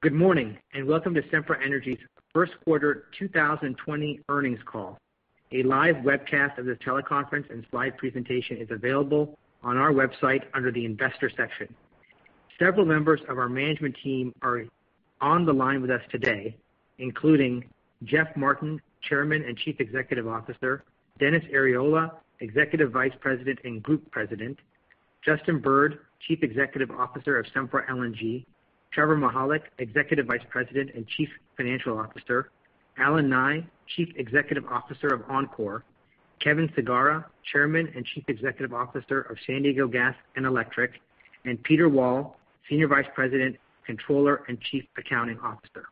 Good morning, and welcome to Sempra Energy's first quarter 2020 earnings call. A live webcast of this teleconference and slide presentation is available on our website under the investor section. Several members of our management team are on the line with us today, including Jeff Martin, Chairman and Chief Executive Officer, Dennis Arriola, Executive Vice President and Group President, Justin Bird, Chief Executive Officer of Sempra LNG, Trevor Mihalik, Executive Vice President and Chief Financial Officer, Allen Nye, Chief Executive Officer of Oncor, Kevin Sagara, Chairman and Chief Executive Officer of San Diego Gas & Electric, and Peter Wall, Senior Vice President, Controller and Chief Accounting Officer.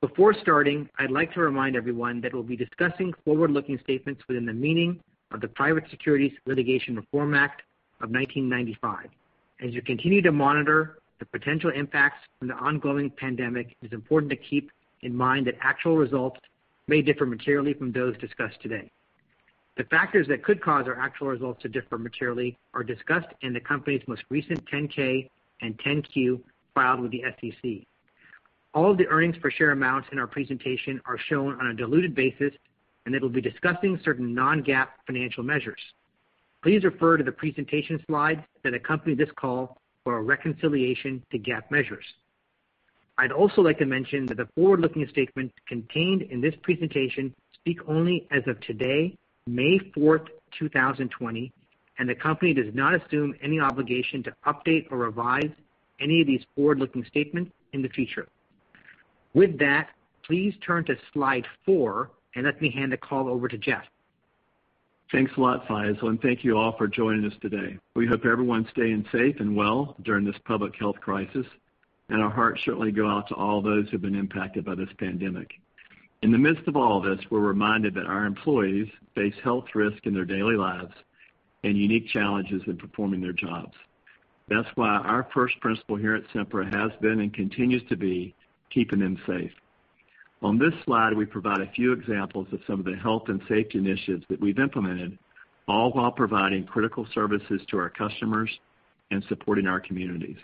Before starting, I'd like to remind everyone that we'll be discussing forward-looking statements within the meaning of the Private Securities Litigation Reform Act of 1995. As you continue to monitor the potential impacts from the ongoing pandemic, it's important to keep in mind that actual results may differ materially from those discussed today. The factors that could cause our actual results to differ materially are discussed in the company's most recent 10-K and 10-Q filed with the SEC. All of the earnings per share amounts in our presentation are shown on a diluted basis, it'll be discussing certain non-GAAP financial measures. Please refer to the presentation slides that accompany this call for a reconciliation to GAAP measures. I'd also like to mention that the forward-looking statements contained in this presentation speak only as of today, May 4th, 2020, the company does not assume any obligation to update or revise any of these forward-looking statements in the future. With that, please turn to slide four, let me hand the call over to Jeff. Thanks a lot, Faisel. Thank you all for joining us today. We hope everyone's staying safe and well during this public health crisis, and our hearts certainly go out to all those who've been impacted by this pandemic. In the midst of all this, we're reminded that our employees face health risks in their daily lives and unique challenges in performing their jobs. That's why our first principle here at Sempra has been and continues to be keeping them safe. On this slide, we provide a few examples of some of the health and safety initiatives that we've implemented, all while providing critical services to our customers and supporting our communities.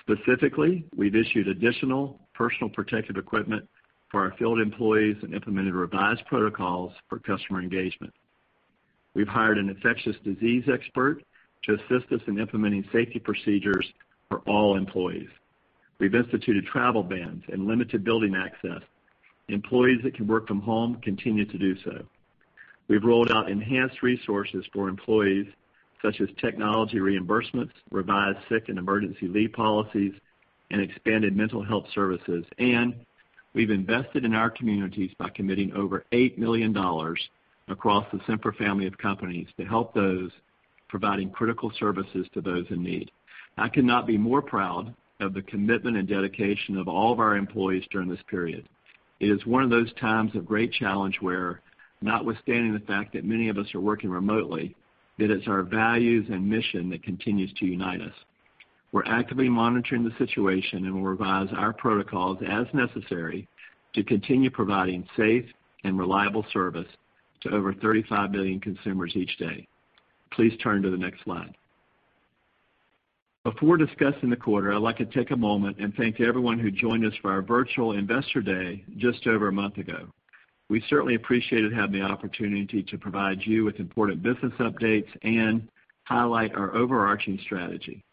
Specifically, we've issued additional personal protective equipment for our field employees and implemented revised protocols for customer engagement. We've hired an infectious disease expert to assist us in implementing safety procedures for all employees. We've instituted travel bans and limited building access. Employees that can work from home continue to do so. We've rolled out enhanced resources for employees, such as technology reimbursements, revised sick and emergency leave policies, and expanded mental health services. We've invested in our communities by committing over $8 million across the Sempra family of companies to help those providing critical services to those in need. I cannot be more proud of the commitment and dedication of all of our employees during this period. It is one of those times of great challenge where, notwithstanding the fact that many of us are working remotely, that it's our values and mission that continues to unite us. We're actively monitoring the situation and will revise our protocols as necessary to continue providing safe and reliable service to over 35 million consumers each day. Please turn to the next slide. Before discussing the quarter, I'd like to take a moment and thank everyone who joined us for our virtual Investor Day just over a month ago. We certainly appreciated having the opportunity to provide you with important business updates and highlight our overarching strategy.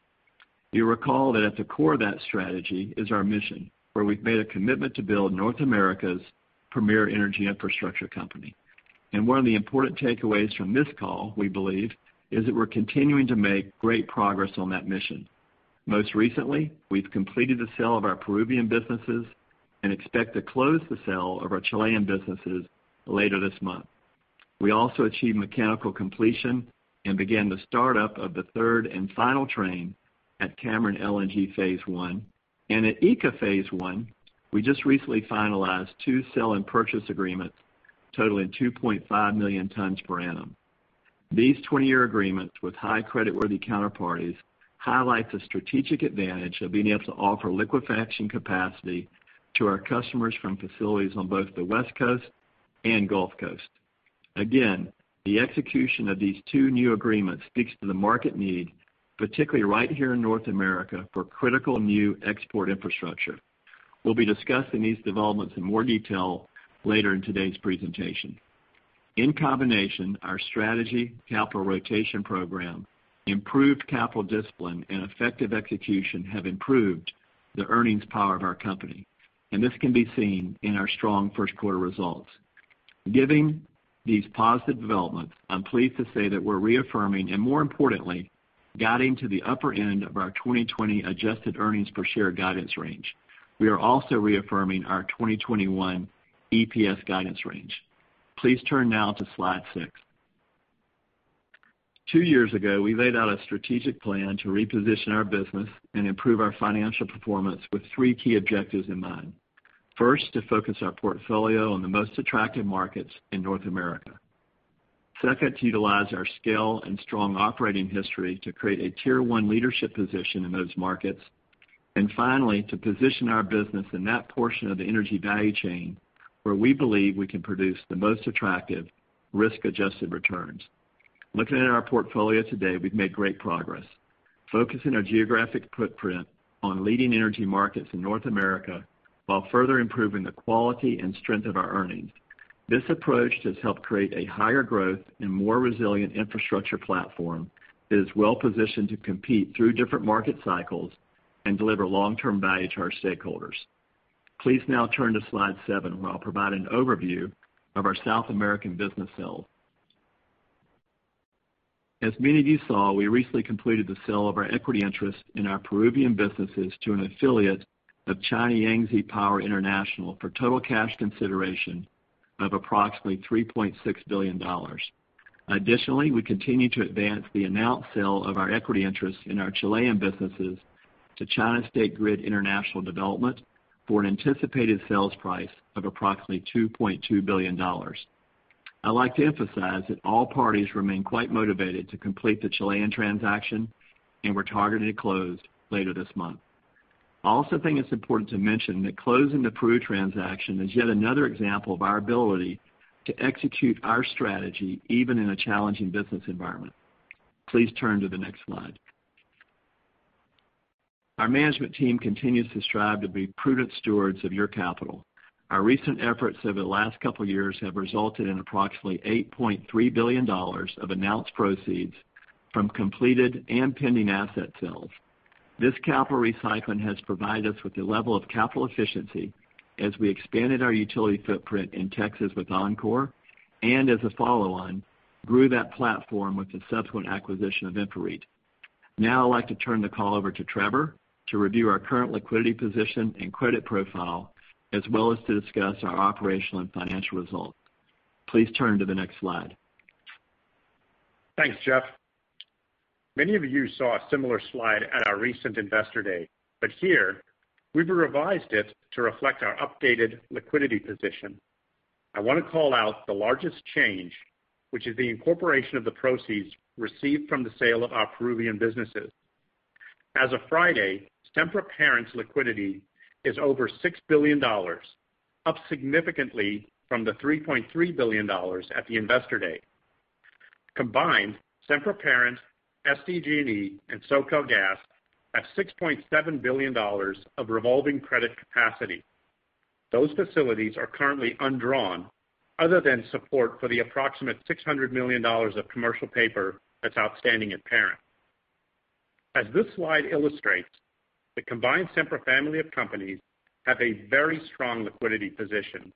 You'll recall that at the core of that strategy is our mission, where we've made a commitment to build North America's premier energy infrastructure company. One of the important takeaways from this call, we believe, is that we're continuing to make great progress on that mission. Most recently, we've completed the sale of our Peruvian businesses and expect to close the sale of our Chilean businesses later this month. We also achieved mechanical completion and began the startup of the third and final train at Cameron LNG Phase 1. At ECA Phase 1, we just recently finalized two sell and purchase agreements totaling 2.5 million tons per annum. These 20-year agreements with high creditworthy counterparties highlights the strategic advantage of being able to offer liquefaction capacity to our customers from facilities on both the West Coast and Gulf Coast. Again, the execution of these two new agreements speaks to the market need, particularly right here in North America, for critical new export infrastructure. We'll be discussing these developments in more detail later in today's presentation. In combination, our strategy, capital rotation program, improved capital discipline, and effective execution have improved the earnings power of our company, and this can be seen in our strong first quarter results. Given these positive developments, I'm pleased to say that we're reaffirming, and more importantly, guiding to the upper end of our 2020 adjusted earnings per share guidance range. We are also reaffirming our 2021 EPS guidance range. Please turn now to slide six. Two years ago, we laid out a strategic plan to reposition our business and improve our financial performance with three key objectives in mind. First, to focus our portfolio on the most attractive markets in North America. Second, to utilize our scale and strong operating history to create a Tier 1 leadership position in those markets. Finally, to position our business in that portion of the energy value chain where we believe we can produce the most attractive risk-adjusted returns. Looking at our portfolio today, we've made great progress focusing our geographic footprint on leading energy markets in North America, while further improving the quality and strength of our earnings. This approach has helped create a higher growth and more resilient infrastructure platform that is well-positioned to compete through different market cycles and deliver long-term value to our stakeholders. Please now turn to slide seven, where I'll provide an overview of our South American business sales. As many of you saw, we recently completed the sale of our equity interest in our Peruvian businesses to an affiliate of China Yangtze Power International for total cash consideration of approximately $3.6 billion. We continue to advance the announced sale of our equity interest in our Chilean businesses to China State Grid International Development for an anticipated sales price of approximately $2.2 billion. I'd like to emphasize that all parties remain quite motivated to complete the Chilean transaction, and we're targeted to close later this month. I also think it's important to mention that closing the Peru transaction is yet another example of our ability to execute our strategy, even in a challenging business environment. Please turn to the next slide. Our management team continues to strive to be prudent stewards of your capital. Our recent efforts over the last couple of years have resulted in approximately $8.3 billion of announced proceeds from completed and pending asset sales. This capital recycling has provided us with a level of capital efficiency as we expanded our utility footprint in Texas with Oncor, and as a follow-on, grew that platform with the subsequent acquisition of InfraREIT. Now I'd like to turn the call over to Trevor to review our current liquidity position and credit profile, as well as to discuss our operational and financial results. Please turn to the next slide. Thanks, Jeff. Many of you saw a similar slide at our recent Investor Day, but here we've revised it to reflect our updated liquidity position. I want to call out the largest change, which is the incorporation of the proceeds received from the sale of our Peruvian businesses. As of Friday, Sempra Parent's liquidity is over $6 billion, up significantly from the $3.3 billion at the Investor Day. Combined, Sempra Parent, SDG&E, and SoCalGas have $6.7 billion of revolving credit capacity. Those facilities are currently undrawn, other than support for the approximate $600 million of commercial paper that's outstanding at Parent. As this slide illustrates, the combined Sempra family of companies have a very strong liquidity position.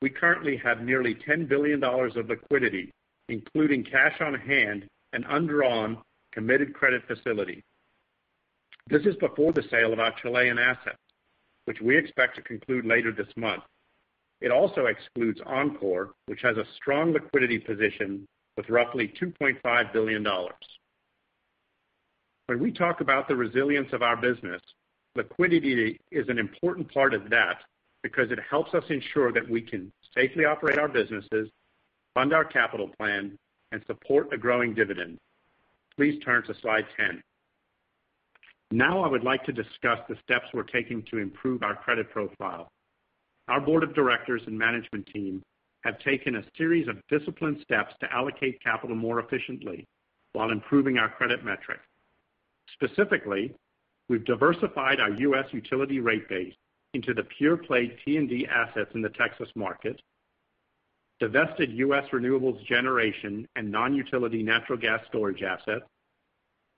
We currently have nearly $10 billion of liquidity, including cash on hand and undrawn, committed credit facility. This is before the sale of our Chilean asset, which we expect to conclude later this month. It also excludes Oncor, which has a strong liquidity position with roughly $2.5 billion. When we talk about the resilience of our business, liquidity is an important part of that because it helps us ensure that we can safely operate our businesses, fund our capital plan, and support a growing dividend. Please turn to slide 10. I would like to discuss the steps we're taking to improve our credit profile. Our Board of Directors and management team have taken a series of disciplined steps to allocate capital more efficiently while improving our credit metrics. Specifically, we've diversified our U.S. utility rate base into the pure-play T&D assets in the Texas market, divested U.S. renewables generation and non-utility natural gas storage assets,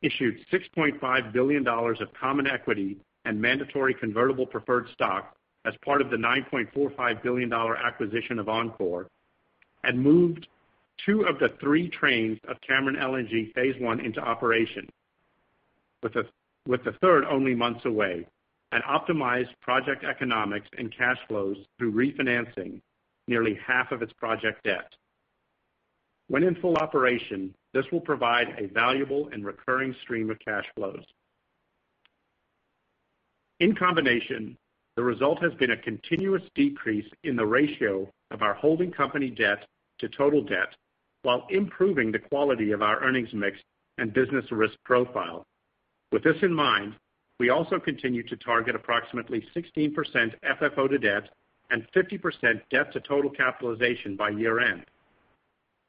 issued $6.5 billion of common equity and mandatory convertible preferred stock as part of the $9.45 billion acquisition of Oncor, and moved two of the three trains of Cameron LNG Phase 1 into operation with the third only months away, and optimized project economics and cash flows through refinancing nearly half of its project debt. When in full operation, this will provide a valuable and recurring stream of cash flows. In combination, the result has been a continuous decrease in the ratio of our holding company debt to total debt while improving the quality of our earnings mix and business risk profile. With this in mind, we also continue to target approximately 16% FFO to debt and 50% debt to total capitalization by year-end.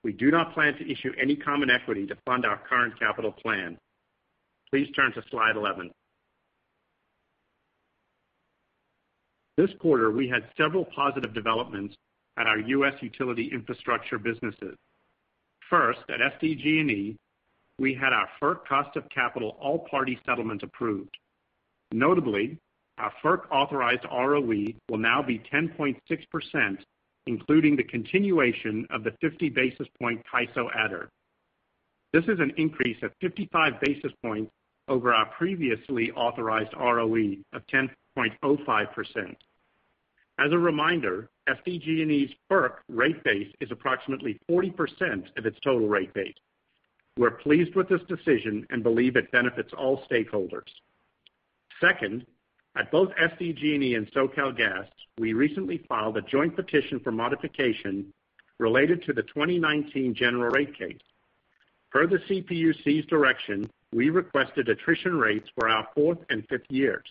We do not plan to issue any common equity to fund our current capital plan. Please turn to slide 11. This quarter, we had several positive developments at our U.S. utility infrastructure businesses. First, at SDG&E, we had our FERC cost of capital all party settlement approved. Notably, our FERC-authorized ROE will now be 10.6%, including the continuation of the 50 basis point CAISO adder. This is an increase of 55 basis points over our previously authorized ROE of 10.05%. As a reminder, SDG&E's FERC rate base is approximately 40% of its total rate base. We're pleased with this decision and believe it benefits all stakeholders. Second, at both SDG&E and SoCalGas, we recently filed a joint petition for modification related to the 2019 general rate case. Per the CPUC's direction, we requested attrition rates for our fourth and fifth years.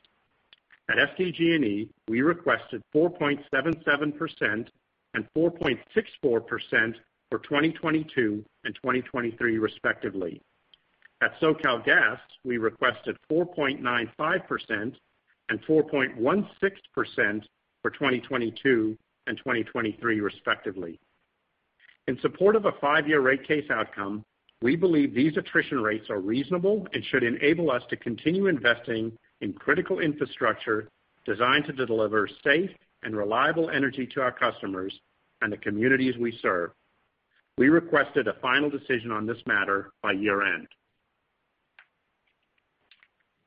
At SDG&E, we requested 4.77% and 4.64% for 2022 and 2023 respectively. At SoCalGas, we requested 4.95% and 4.16% for 2022 and 2023 respectively. In support of a five-year rate case outcome, we believe these attrition rates are reasonable and should enable us to continue investing in critical infrastructure designed to deliver safe and reliable energy to our customers and the communities we serve. We requested a final decision on this matter by year-end.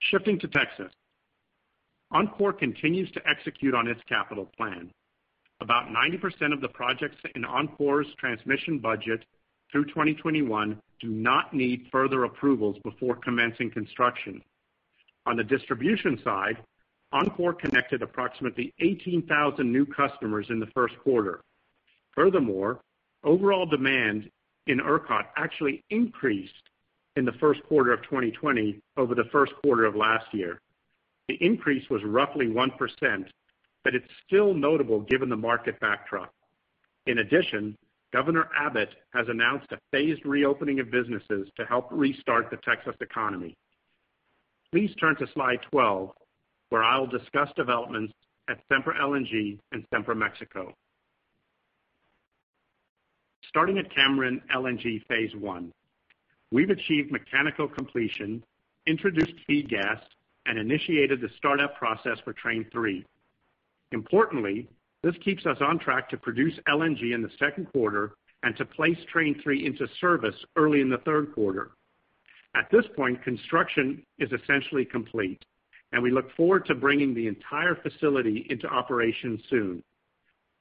Shifting to Texas. Oncor continues to execute on its capital plan. About 90% of the projects in Oncor's transmission budget through 2021 do not need further approvals before commencing construction. On the distribution side, Oncor connected approximately 18,000 new customers in the first quarter. Furthermore, overall demand in ERCOT actually increased in the first quarter of 2020 over the first quarter of last year. The increase was roughly 1%. It's still notable given the market backdrop. In addition, Governor Abbott has announced a phased reopening of businesses to help restart the Texas economy. Please turn to Slide 12, where I'll discuss developments at Sempra LNG and Sempra Mexico. Starting at Cameron LNG Phase 1. We've achieved mechanical completion, introduced feed gas, and initiated the startup process for Train 3. Importantly, this keeps us on track to produce LNG in the second quarter and to place Train 3 into service early in the third quarter. At this point, construction is essentially complete. We look forward to bringing the entire facility into operation soon.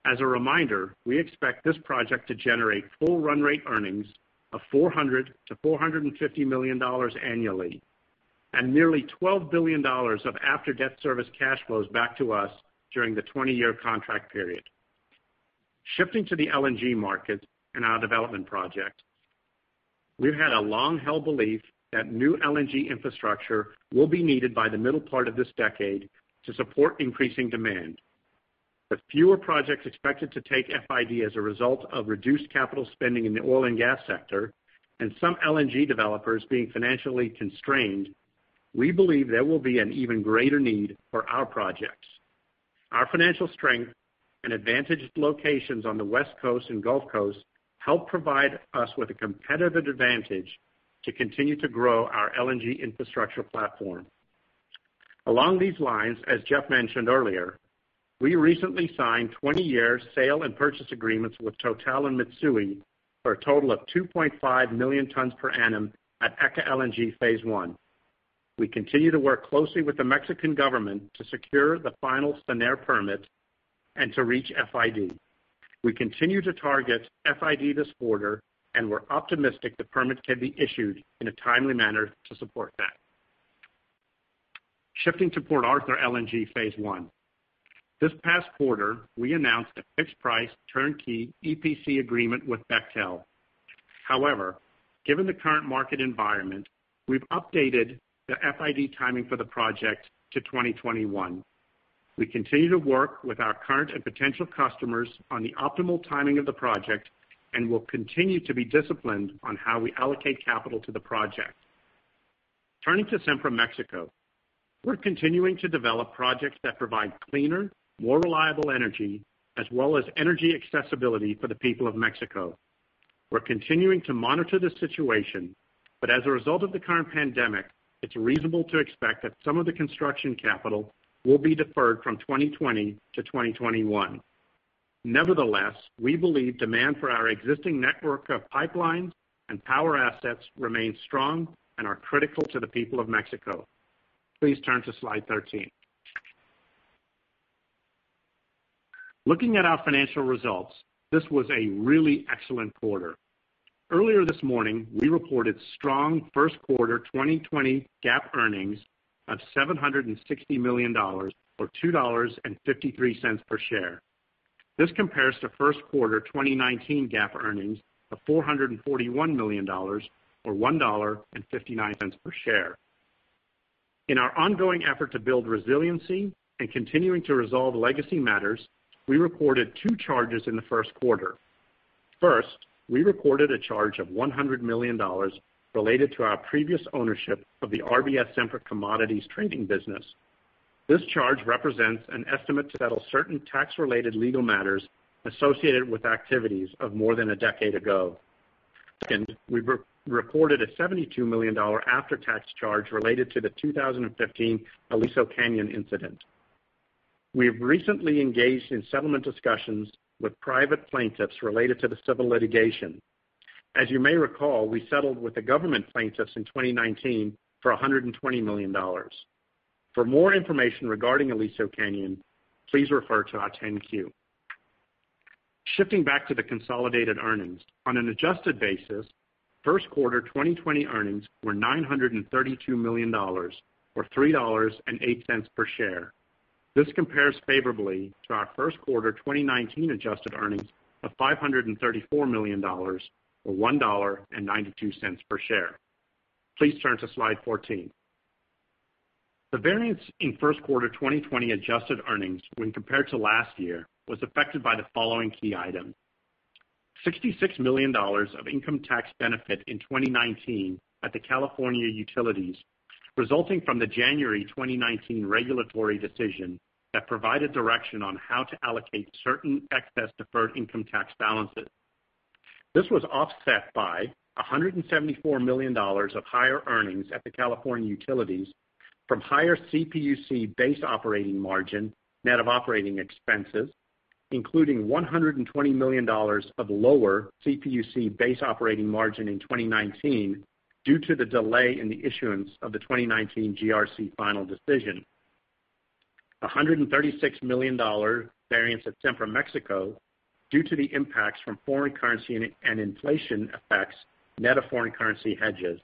As a reminder, we expect this project to generate full run rate earnings of $400 million-$450 million annually, and nearly $12 billion of after-debt service cash flows back to us during the 20-year contract period. Shifting to the LNG market and our development project. We've had a long-held belief that new LNG infrastructure will be needed by the middle part of this decade to support increasing demand. With fewer projects expected to take FID as a result of reduced capital spending in the oil and gas sector, and some LNG developers being financially constrained, we believe there will be an even greater need for our projects. Our financial strength and advantaged locations on the West Coast and Gulf Coast help provide us with a competitive advantage to continue to grow our LNG infrastructure platform. Along these lines, as Jeff mentioned earlier, we recently signed 20-year sale and purchase agreements with Total and Mitsui for a total of 2.5 million tons per annum at ECA LNG Phase 1. We continue to work closely with the Mexican government to secure the final SENER permit and to reach FID. We continue to target FID this quarter. We're optimistic the permit can be issued in a timely manner to support that. Shifting to Port Arthur LNG Phase 1. This past quarter, we announced a fixed-price turnkey EPC agreement with Bechtel. Given the current market environment, we've updated the FID timing for the project to 2021. We continue to work with our current and potential customers on the optimal timing of the project and will continue to be disciplined on how we allocate capital to the project. Turning to Sempra Mexico. We're continuing to develop projects that provide cleaner, more reliable energy, as well as energy accessibility for the people of Mexico. We're continuing to monitor the situation, as a result of the current pandemic, it's reasonable to expect that some of the construction capital will be deferred from 2020 to 2021. Nevertheless, we believe demand for our existing network of pipelines and power assets remains strong and are critical to the people of Mexico. Please turn to Slide 13. Looking at our financial results, this was a really excellent quarter. Earlier this morning, we reported strong first quarter 2020 GAAP earnings of $760 million or $2.53 per share. This compares to first quarter 2019 GAAP earnings of $441 million or $1.59 per share. In our ongoing effort to build resiliency and continuing to resolve legacy matters, we reported two charges in the first quarter. First, we recorded a charge of $100 million related to our previous ownership of the RBS Sempra Commodities trading business. This charge represents an estimate to settle certain tax-related legal matters associated with activities of more than a decade ago. Second, we reported a $72 million after-tax charge related to the 2015 Aliso Canyon incident. We have recently engaged in settlement discussions with private plaintiffs related to the civil litigation. As you may recall, we settled with the government plaintiffs in 2019 for $120 million. For more information regarding Aliso Canyon, please refer to our 10-Q. Shifting back to the consolidated earnings. On an adjusted basis, first quarter 2020 earnings were $932 million or $3.08 per share. This compares favorably to our first quarter 2019 adjusted earnings of $534 million or $1.92 per share. Please turn to slide 14. The variance in first quarter 2020 adjusted earnings when compared to last year was affected by the following key item. $66 million of income tax benefit in 2019 at the California Utilities, resulting from the January 2019 regulatory decision that provided direction on how to allocate certain excess deferred income tax balances. This was offset by $174 million of higher earnings at the California Utilities from higher CPUC base operating margin, net of operating expenses, including $120 million of lower CPUC base operating margin in 2019 due to the delay in the issuance of the 2019 GRC final decision. A $136 million variance at Sempra Mexico due to the impacts from foreign currency and inflation effects, net of foreign currency hedges.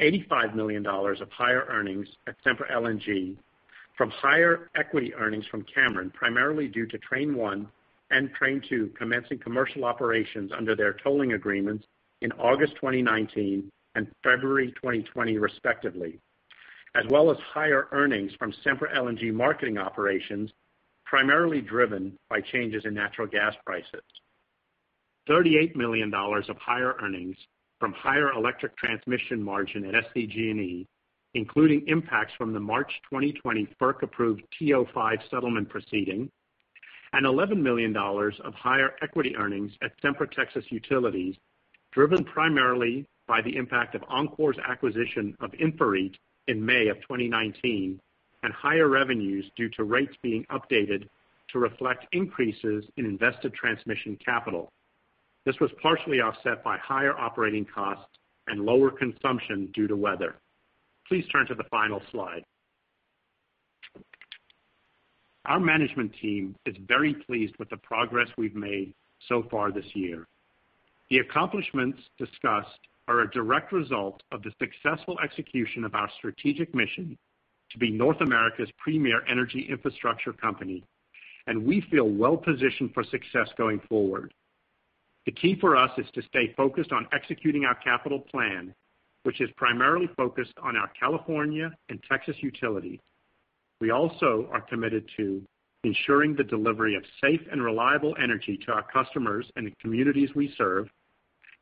$85 million of higher earnings at Sempra LNG from higher equity earnings from Cameron, primarily due to Train 1 and Train 2 commencing commercial operations under their tolling agreements in August 2019 and February 2020, respectively. Higher earnings from Sempra LNG marketing operations, primarily driven by changes in natural gas prices. $38 million of higher earnings from higher electric transmission margin at SDG&E, including impacts from the March 2020 FERC-approved TO5 settlement proceeding, and $11 million of higher equity earnings at Sempra Texas Utilities, driven primarily by the impact of Oncor's acquisition of InfraREIT in May 2019, and higher revenues due to rates being updated to reflect increases in invested transmission capital. This was partially offset by higher operating costs and lower consumption due to weather. Please turn to the final slide. Our management team is very pleased with the progress we've made so far this year. The accomplishments discussed are a direct result of the successful execution of our strategic mission to be North America's premier energy infrastructure company, and we feel well-positioned for success going forward. The key for us is to stay focused on executing our capital plan, which is primarily focused on our California and Texas utility. We also are committed to ensuring the delivery of safe and reliable energy to our customers and the communities we serve,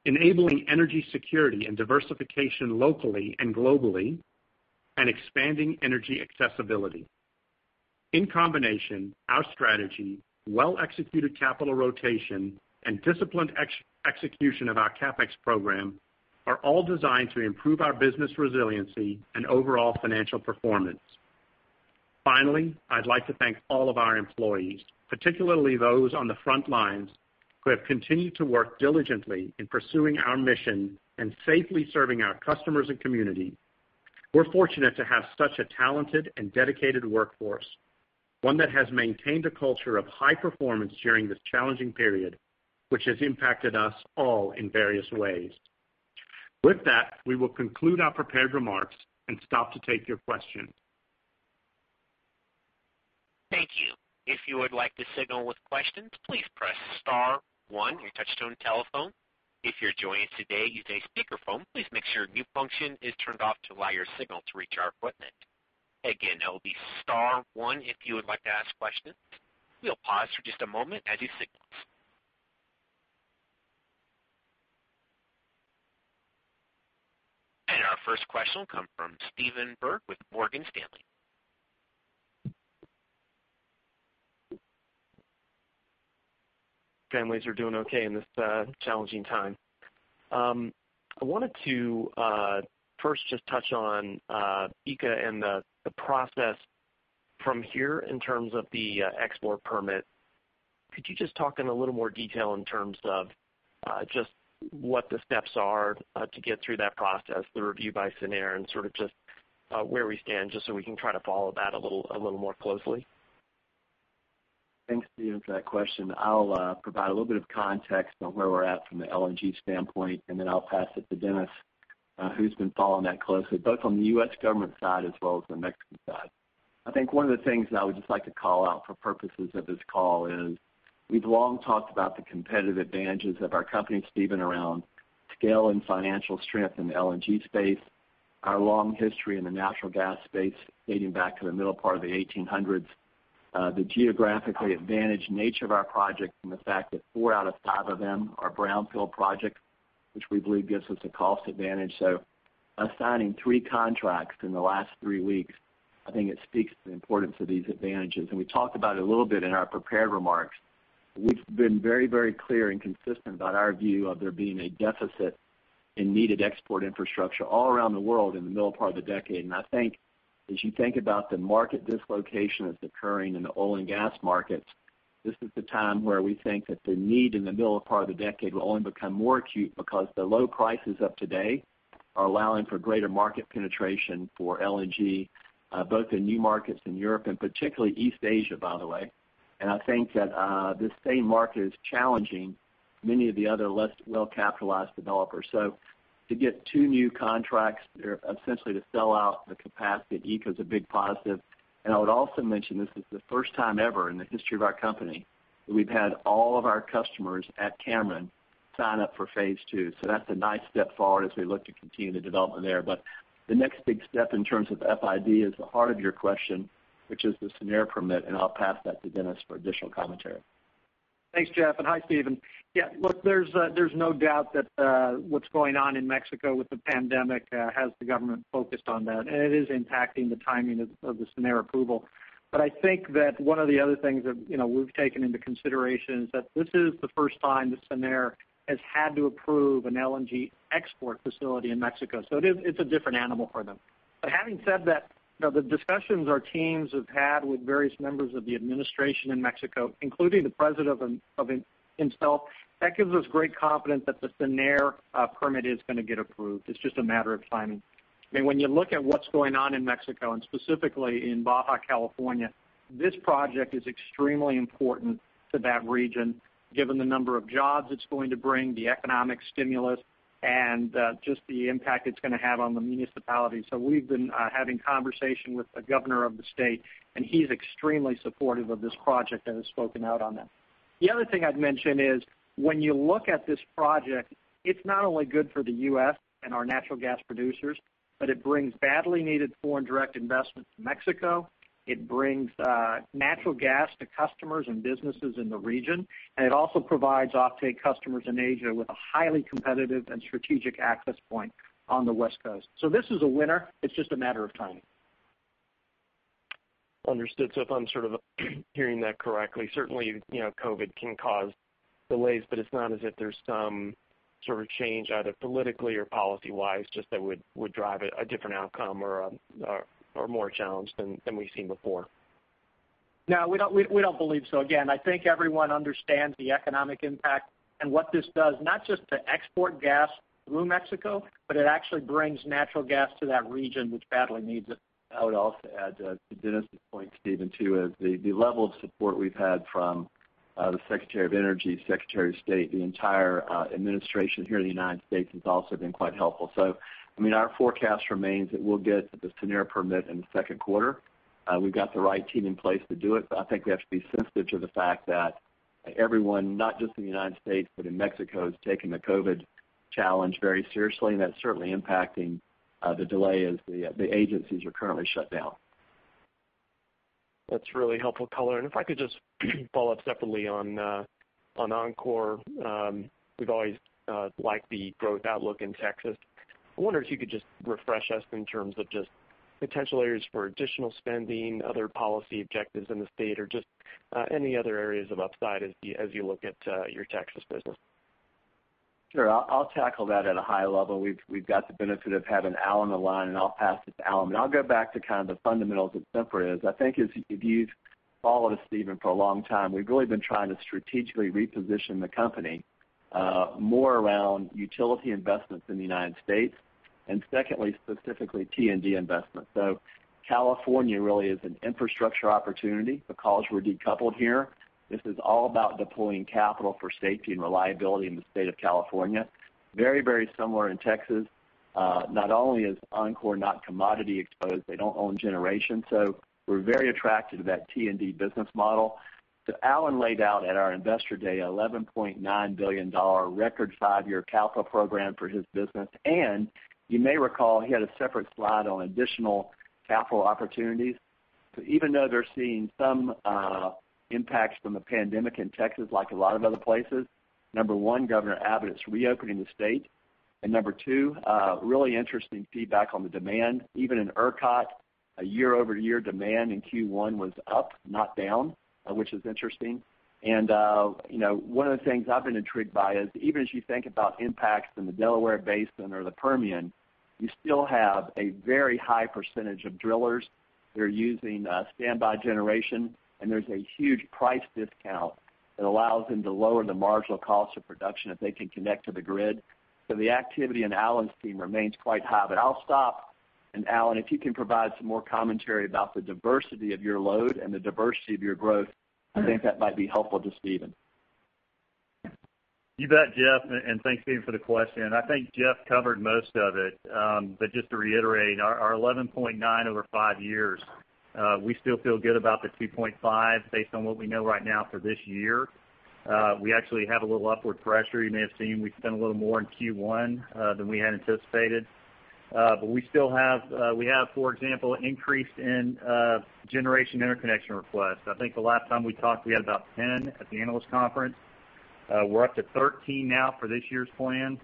enabling energy security and diversification locally and globally, and expanding energy accessibility. In combination, our strategy, well-executed capital rotation, and disciplined execution of our CapEx program are all designed to improve our business resiliency and overall financial performance. Finally, I'd like to thank all of our employees, particularly those on the front lines, who have continued to work diligently in pursuing our mission and safely serving our customers and community. We're fortunate to have such a talented and dedicated workforce, one that has maintained a culture of high performance during this challenging period, which has impacted us all in various ways. With that, we will conclude our prepared remarks and stop to take your questions. Thank you. If you would like to signal with questions, please press star one on your touch-tone telephone. If you're joining us today using a speakerphone, please make sure mute function is turned off to allow your signal to reach our equipment. That will be star one if you would like to ask questions. We'll pause for just a moment as you signal us. Our first question will come from Stephen Byrd with Morgan Stanley. Families are doing okay in this challenging time. I wanted to first just touch on ECA and the process from here in terms of the export permit. Could you just talk in a little more detail in terms of just what the steps are to get through that process, the review by SENER, and sort of just where we stand, just so we can try to follow that a little more closely? Thanks, Stephen, for that question. I'll provide a little bit of context on where we're at from the LNG standpoint, and then I'll pass it to Dennis, who's been following that closely, both on the U.S. government side as well as the Mexican side. I think one of the things that I would just like to call out for purposes of this call is we've long talked about the competitive advantages of our company, Stephen, around scale and financial strength in the LNG space, our long history in the natural gas space dating back to the middle part of the 1800s, the geographically advantaged nature of our project and the fact that four out of five of them are brownfield projects, which we believe gives us a cost advantage. Assigning three contracts in the last three weeks, I think it speaks to the importance of these advantages. We talked about it a little bit in our prepared remarks. We've been very, very clear and consistent about our view of there being a deficit in needed export infrastructure all around the world in the middle part of the decade. I think as you think about the market dislocation that's occurring in the oil and gas markets, this is the time where we think that the need in the middle part of the decade will only become more acute because the low prices of today are allowing for greater market penetration for LNG, both in new markets in Europe and particularly East Asia, by the way. I think that this same market is challenging many of the other less well-capitalized developers. To get two new contracts there, essentially to sell out the capacity at ECA is a big positive. I would also mention, this is the first time ever in the history of our company that we've had all of our customers at Cameron sign up for Phase 2. That's a nice step forward as we look to continue the development there. The next big step in terms of FID is the heart of your question, which is the SENER permit, and I'll pass that to Dennis for additional commentary. Thanks, Jeff, and hi, Stephen. There's no doubt that what's going on in Mexico with the pandemic has the government focused on that, and it is impacting the timing of the SENER approval. I think that one of the other things that we've taken into consideration is that this is the first time that SENER has had to approve an LNG export facility in Mexico. It's a different animal for them. Having said that, the discussions our teams have had with various members of the administration in Mexico, including the president himself, that gives us great confidence that the SENER permit is going to get approved. It's just a matter of timing. When you look at what's going on in Mexico, and specifically in Baja California, this project is extremely important to that region, given the number of jobs it's going to bring, the economic stimulus, and just the impact it's going to have on the municipality. We've been having conversation with the governor of the state, and he's extremely supportive of this project and has spoken out on that. The other thing I'd mention is, when you look at this project, it's not only good for the U.S. and our natural gas producers, but it brings badly needed foreign direct investment to Mexico. It brings natural gas to customers and businesses in the region, and it also provides offtake customers in Asia with a highly competitive and strategic access point on the West Coast. This is a winner. It's just a matter of timing. Understood. If I'm hearing that correctly, certainly COVID can cause delays, but it's not as if there's some sort of change, either politically or policy-wise, just that would drive a different outcome or more challenge than we've seen before. No, we don't believe so. Again, I think everyone understands the economic impact and what this does, not just to export gas through Mexico, but it actually brings natural gas to that region, which badly needs it. I would also add to Dennis' point, Stephen, too, is the level of support we've had from the Secretary of Energy, Secretary of State, the entire administration here in the U.S. has also been quite helpful. Our forecast remains that we'll get the SENER permit in the second quarter. We've got the right team in place to do it. I think we have to be sensitive to the fact that everyone, not just in the United States, but in Mexico, is taking the COVID challenge very seriously, and that's certainly impacting the delay as the agencies are currently shut down. That's really helpful color. If I could just follow up separately on Oncor. We've always liked the growth outlook in Texas. I wonder if you could just refresh us in terms of just potential areas for additional spending, other policy objectives in the state, or just any other areas of upside as you look at your Texas business. Sure. I'll tackle that at a high level. We've got the benefit of having Allen on the line, and I'll pass it to Allen. I'll go back to kind of the fundamentals of Sempra. I think if you've followed us, Stephen, for a long time, we've really been trying to strategically reposition the company more around utility investments in the United States, and secondly, specifically T&D investments. California really is an infrastructure opportunity because we're decoupled here. This is all about deploying capital for safety and reliability in the state of California. Very similar in Texas. Not only is Oncor not commodity-exposed, they don't own generation. We're very attracted to that T&D business model. Allen laid out at our Investor Day an $11.9 billion record five-year capital program for his business, and you may recall he had a separate slide on additional capital opportunities. Even though they're seeing some impacts from the pandemic in Texas, like a lot of other places, number one, Governor Abbott is reopening the state. Number two, really interesting feedback on the demand. Even in ERCOT, a year-over-year demand in Q1 was up, not down, which is interesting. One of the things I've been intrigued by is even as you think about impacts in the Delaware Basin or the Permian, you still have a very high percentage of drillers that are using standby generation, and there's a huge price discount that allows them to lower the marginal cost of production if they can connect to the grid. The activity in Allen's team remains quite high. I'll stop, and Allen, if you can provide some more commentary about the diversity of your load and the diversity of your growth, I think that might be helpful to Stephen. You bet, Jeff. Thanks, Stephen, for the question. I think Jeff covered most of it. Just to reiterate, our $11.9 billion over five years, we still feel good about the $2.5 billion based on what we know right now for this year. We actually have a little upward pressure. You may have seen we spent a little more in Q1 than we had anticipated. We have, for example, an increase in generation interconnection requests. I think the last time we talked, we had about 10 at the analyst conference. We're up to 13 now for this year's plan.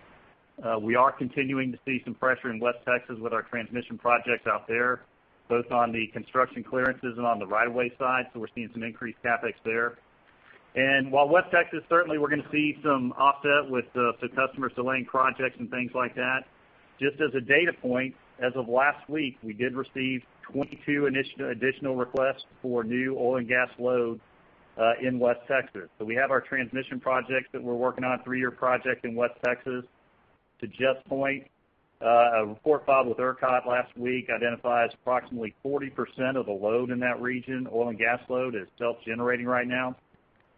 We are continuing to see some pressure in West Texas with our transmission projects out there, both on the construction clearances and on the right-of-way side. We're seeing some increased CapEx there. While West Texas, certainly we're going to see some offset with the customers delaying projects and things like that. Just as a data point, as of last week, we did receive 22 additional requests for new oil and gas loads in West Texas. We have our transmission projects that we're working on, three-year project in West Texas. To Jeff's point, a report filed with ERCOT last week identifies approximately 40% of the load in that region, oil and gas load, is self-generating right now.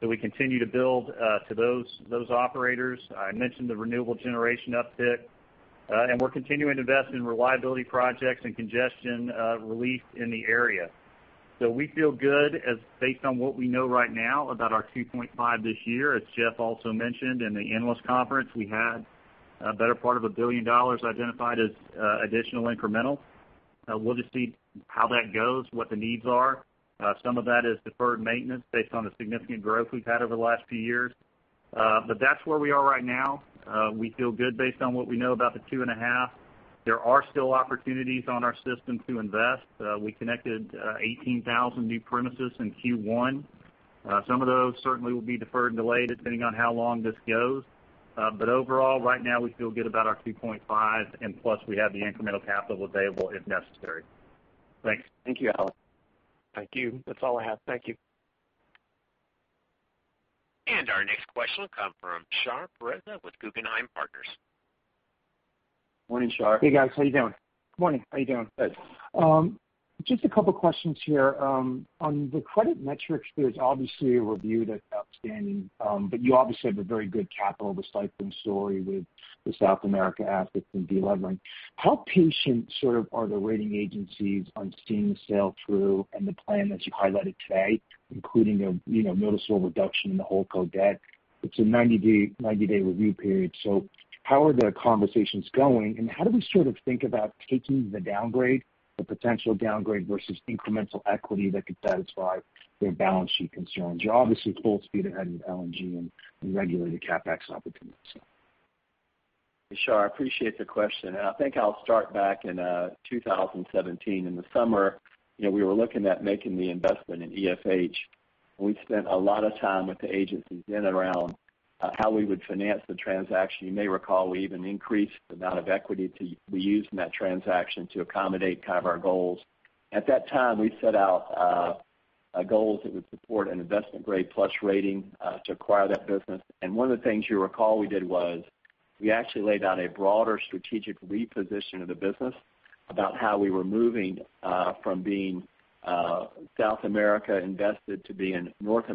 We continue to build to those operators. I mentioned the renewable generation uptick, and we're continuing to invest in reliability projects and congestion relief in the area. We feel good based on what we know right now about our $2.5 billion this year. As Jeff also mentioned in the analyst conference, we had a better part of $1 billion identified as additional incremental. We'll just see how that goes, what the needs are. Some of that is deferred maintenance based on the significant growth we've had over the last few years. That's where we are right now. We feel good based on what we know about the $2.5 billion. There are still opportunities on our system to invest. We connected 18,000 new premises in Q1. Some of those certainly will be deferred and delayed depending on how long this goes. Overall, right now we feel good about our $2.5 billion, and plus, we have the incremental capital available if necessary. Thanks. Thank you, Allen. Thank you. That's all I have. Thank you. Our next question will come from Shar Pourreza with Guggenheim Partners. Morning, Shar. Hey, guys. How you doing? Morning. How you doing? Good. Just a couple of questions here. On the credit metrics, there's obviously a review that outstanding, but you obviously have a very good capital recycling story with the South America assets and delevering. How patient sort of are the rating agencies on seeing the sale through and the plan that you highlighted today, including a noticeable reduction in the holdco debt? It's a 90-day review period, so how are the conversations going, and how do we sort of think about taking the downgrade, the potential downgrade versus incremental equity that could satisfy their balance sheet concerns? You're obviously full speed ahead with LNG and regulated CapEx opportunities. Hey, Shar, I appreciate the question. I think I'll start back in 2017. In the summer, we were looking at making the investment in EFH. We spent a lot of time with the agencies in and around how we would finance the transaction. You may recall we even increased the amount of equity we used in that transaction to accommodate kind of our goals. At that time, we set out goals that would support an investment-grade-plus rating to acquire that business. One of the things you recall we did was we actually laid out a broader strategic reposition of the business about how we were moving from being South America-invested to being North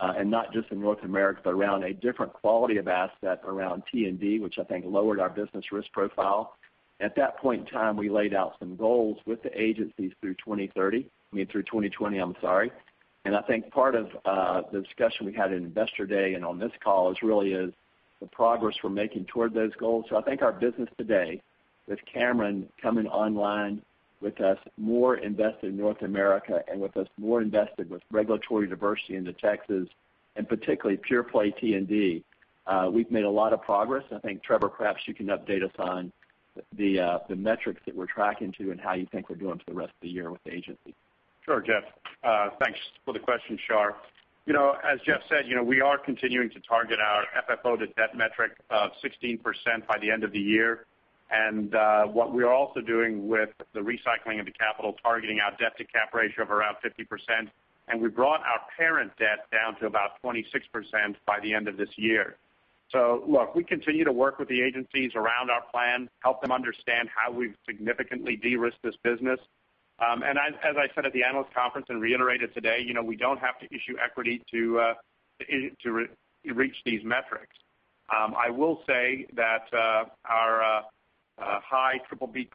American-focused. Not just in North America, but around a different quality of asset around T&D, which I think lowered our business risk profile. At that point in time, we laid out some goals with the agencies through 2030. I mean through 2020, I'm sorry. I think part of the discussion we had at Investor Day and on this call really is the progress we're making toward those goals. I think our business today with Cameron coming online with us more invested in North America and with us more invested with regulatory diversity into Texas and particularly pure play T&D, we've made a lot of progress. I think, Trevor, perhaps you can update us on the metrics that we're tracking to and how you think we're doing for the rest of the year with the agency. Sure, Jeff. Thanks for the question, Shar. As Jeff said, we are continuing to target our FFO to debt metric of 16% by the end of the year. What we are also doing with the recycling of the capital, targeting our debt to cap ratio of around 50%. We brought our parent debt down to about 26% by the end of this year. Look, we continue to work with the agencies around our plan, help them understand how we've significantly de-risked this business. As I said at the analyst conference and reiterated today, we don't have to issue equity to reach these metrics. I will say that our high BBB+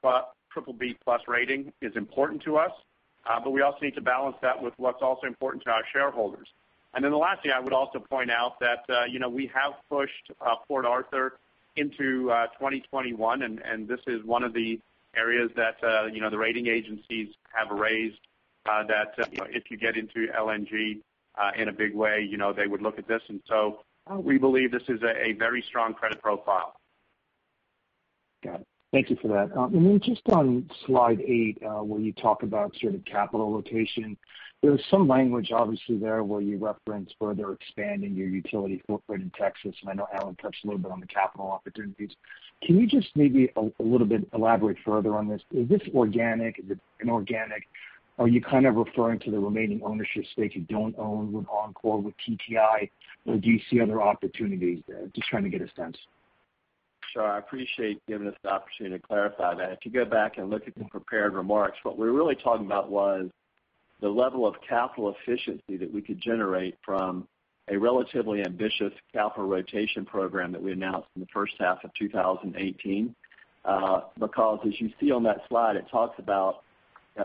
rating is important to us, but we also need to balance that with what's also important to our shareholders. The last thing I would also point out that we have pushed Port Arthur into 2021. This is one of the areas that the rating agencies have raised that if you get into LNG in a big way, they would look at this. We believe this is a very strong credit profile. Got it. Thank you for that. Then just on slide eight, where you talk about sort of capital location, there was some language obviously there where you reference further expanding your utility footprint in Texas, I know Allen touched a little bit on the capital opportunities. Can you just maybe a little bit elaborate further on this? Is this organic? Is it inorganic? Are you kind of referring to the remaining ownership stake you don't own with Oncor, with TTI, or do you see other opportunities there? I'm just trying to get a sense. Shar, I appreciate you giving us the opportunity to clarify that. If you go back and look at the prepared remarks, what we were really talking about was the level of capital efficiency that we could generate from a relatively ambitious capital rotation program that we announced in the first half of 2018. As you see on that slide, it talks about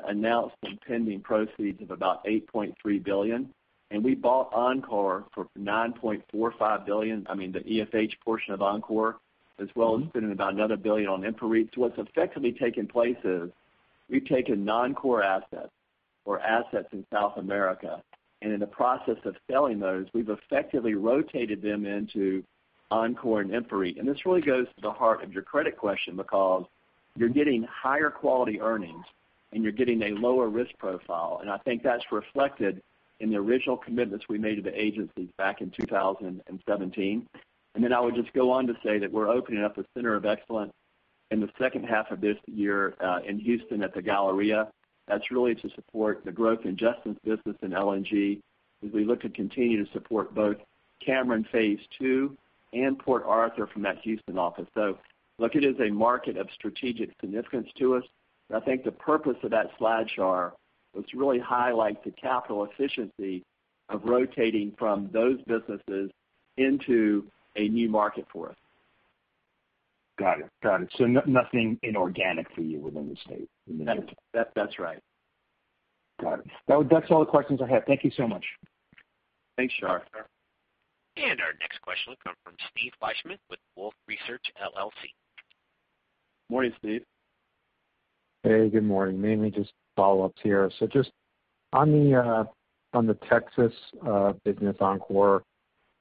announced and pending proceeds of about $8.3 billion, and we bought Oncor for $9.45 billion, I mean, the EFH portion of Oncor, as well as spending about another $1 billion on IEnova. What's effectively taken place is we've taken non-core assets or assets in South America, and in the process of selling those, we've effectively rotated them into Oncor and InfraREIT. This really goes to the heart of your credit question because you're getting higher-quality earnings, and you're getting a lower risk profile. I think that's reflected in the original commitments we made to the agencies back in 2017. Then I would just go on to say that we're opening up a center of excellence in the second half of this year in Houston at the Galleria. That's really to support the growth in Justin's business in LNG, as we look to continue to support both Cameron Phase 2 and Port Arthur from that Houston office. Look, it is a market of strategic significance to us. I think the purpose of that slide, Shar, was to really highlight the capital efficiency of rotating from those businesses into a new market for us. Got it. Nothing inorganic for you within the state in the near term? That's right. Got it. That's all the questions I have. Thank you so much. Thanks, Shar. Our next question will come from Steve Fleishman with Wolfe Research, LLC. Morning, Steve. Hey, good morning. Mainly just follow-ups here. Just on the Texas business Oncor,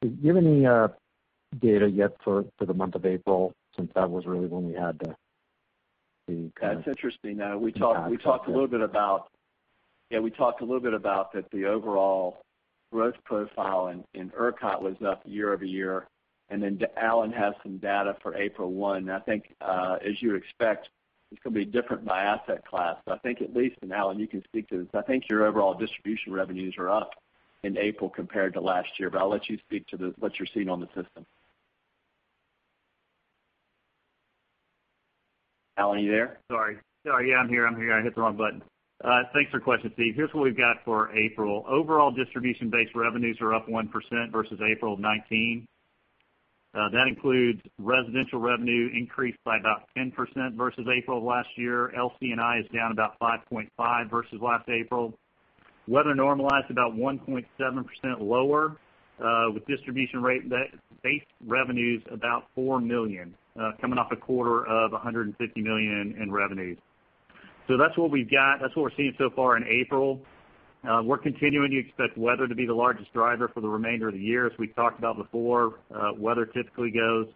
do you have any data yet for the month of April, since that was really when we had the kind of impact out there? That's interesting. We talked a little bit about that the overall growth profile in ERCOT was up year-over-year. Then Allen has some data for April 1. I think, as you expect, it is going to be different by asset class. I think at least, Allen, you can speak to this, I think your overall distribution revenues are up in April compared to last year. I'll let you speak to what you are seeing on the system. Allen, are you there? Sorry. Yeah, I'm here. I hit the wrong button. Thanks for the question, Steve. Here's what we've got for April. Overall distribution-based revenues are up 1% versus April of 2019. That includes residential revenue increased by about 10% versus April of last year. LCNI is down about 5.5% versus last April. Weather normalized about 1.7% lower, with distribution rate-based revenues about $4 million, coming off a quarter of $150 million in revenues. That's what we've got. That's what we're seeing so far in April. We're continuing to expect weather to be the largest driver for the remainder of the year, as we talked about before. Weather typically goes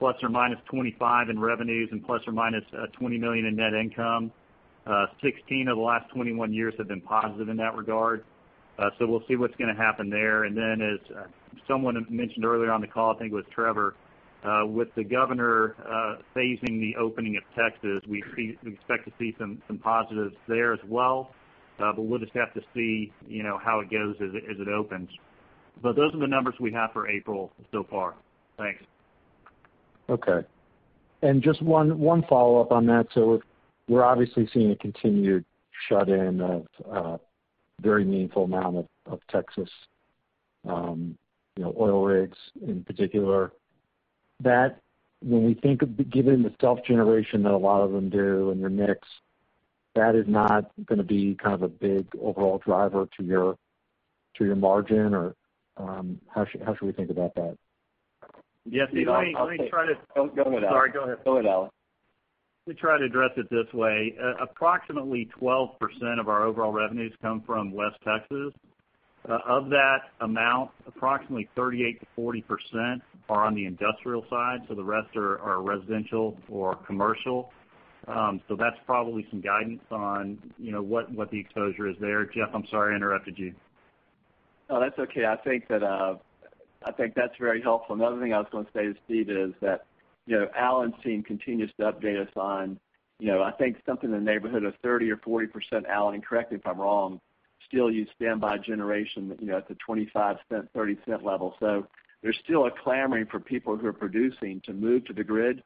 ±$25 million in revenues and ±$20 million in net income. 16 of the last 21 years have been positive in that regard. We'll see what's going to happen there. As someone mentioned earlier on the call, I think it was Trevor, with the governor phasing the opening of Texas, we expect to see some positives there as well. We'll just have to see how it goes as it opens. Those are the numbers we have for April so far. Thanks. Okay. Just one follow-up on that. We're obviously seeing a continued shut-in of a very meaningful amount of Texas oil rigs in particular. When we think of giving the self-generation that a lot of them do and their mix, that is not going to be kind of a big overall driver to your margin, or how should we think about that? Steve, Go with it, Allen. Sorry, go ahead. Go with it, Allen. Let me try to address it this way. Approximately 12% of our overall revenues come from West Texas. Of that amount, approximately 38%-40% are on the industrial side, the rest are residential or commercial. That's probably some guidance on what the exposure is there. Jeff, I'm sorry, I interrupted you. That's okay. I think that's very helpful. Another thing I was going to say to Steve is that Allen's team continues to update us on, I think, something in the neighborhood of 30% or 40%, Allen, and correct me if I'm wrong, still use standby generation at the 25% 30% level. There's still a clamoring for people who are producing to move to the grid.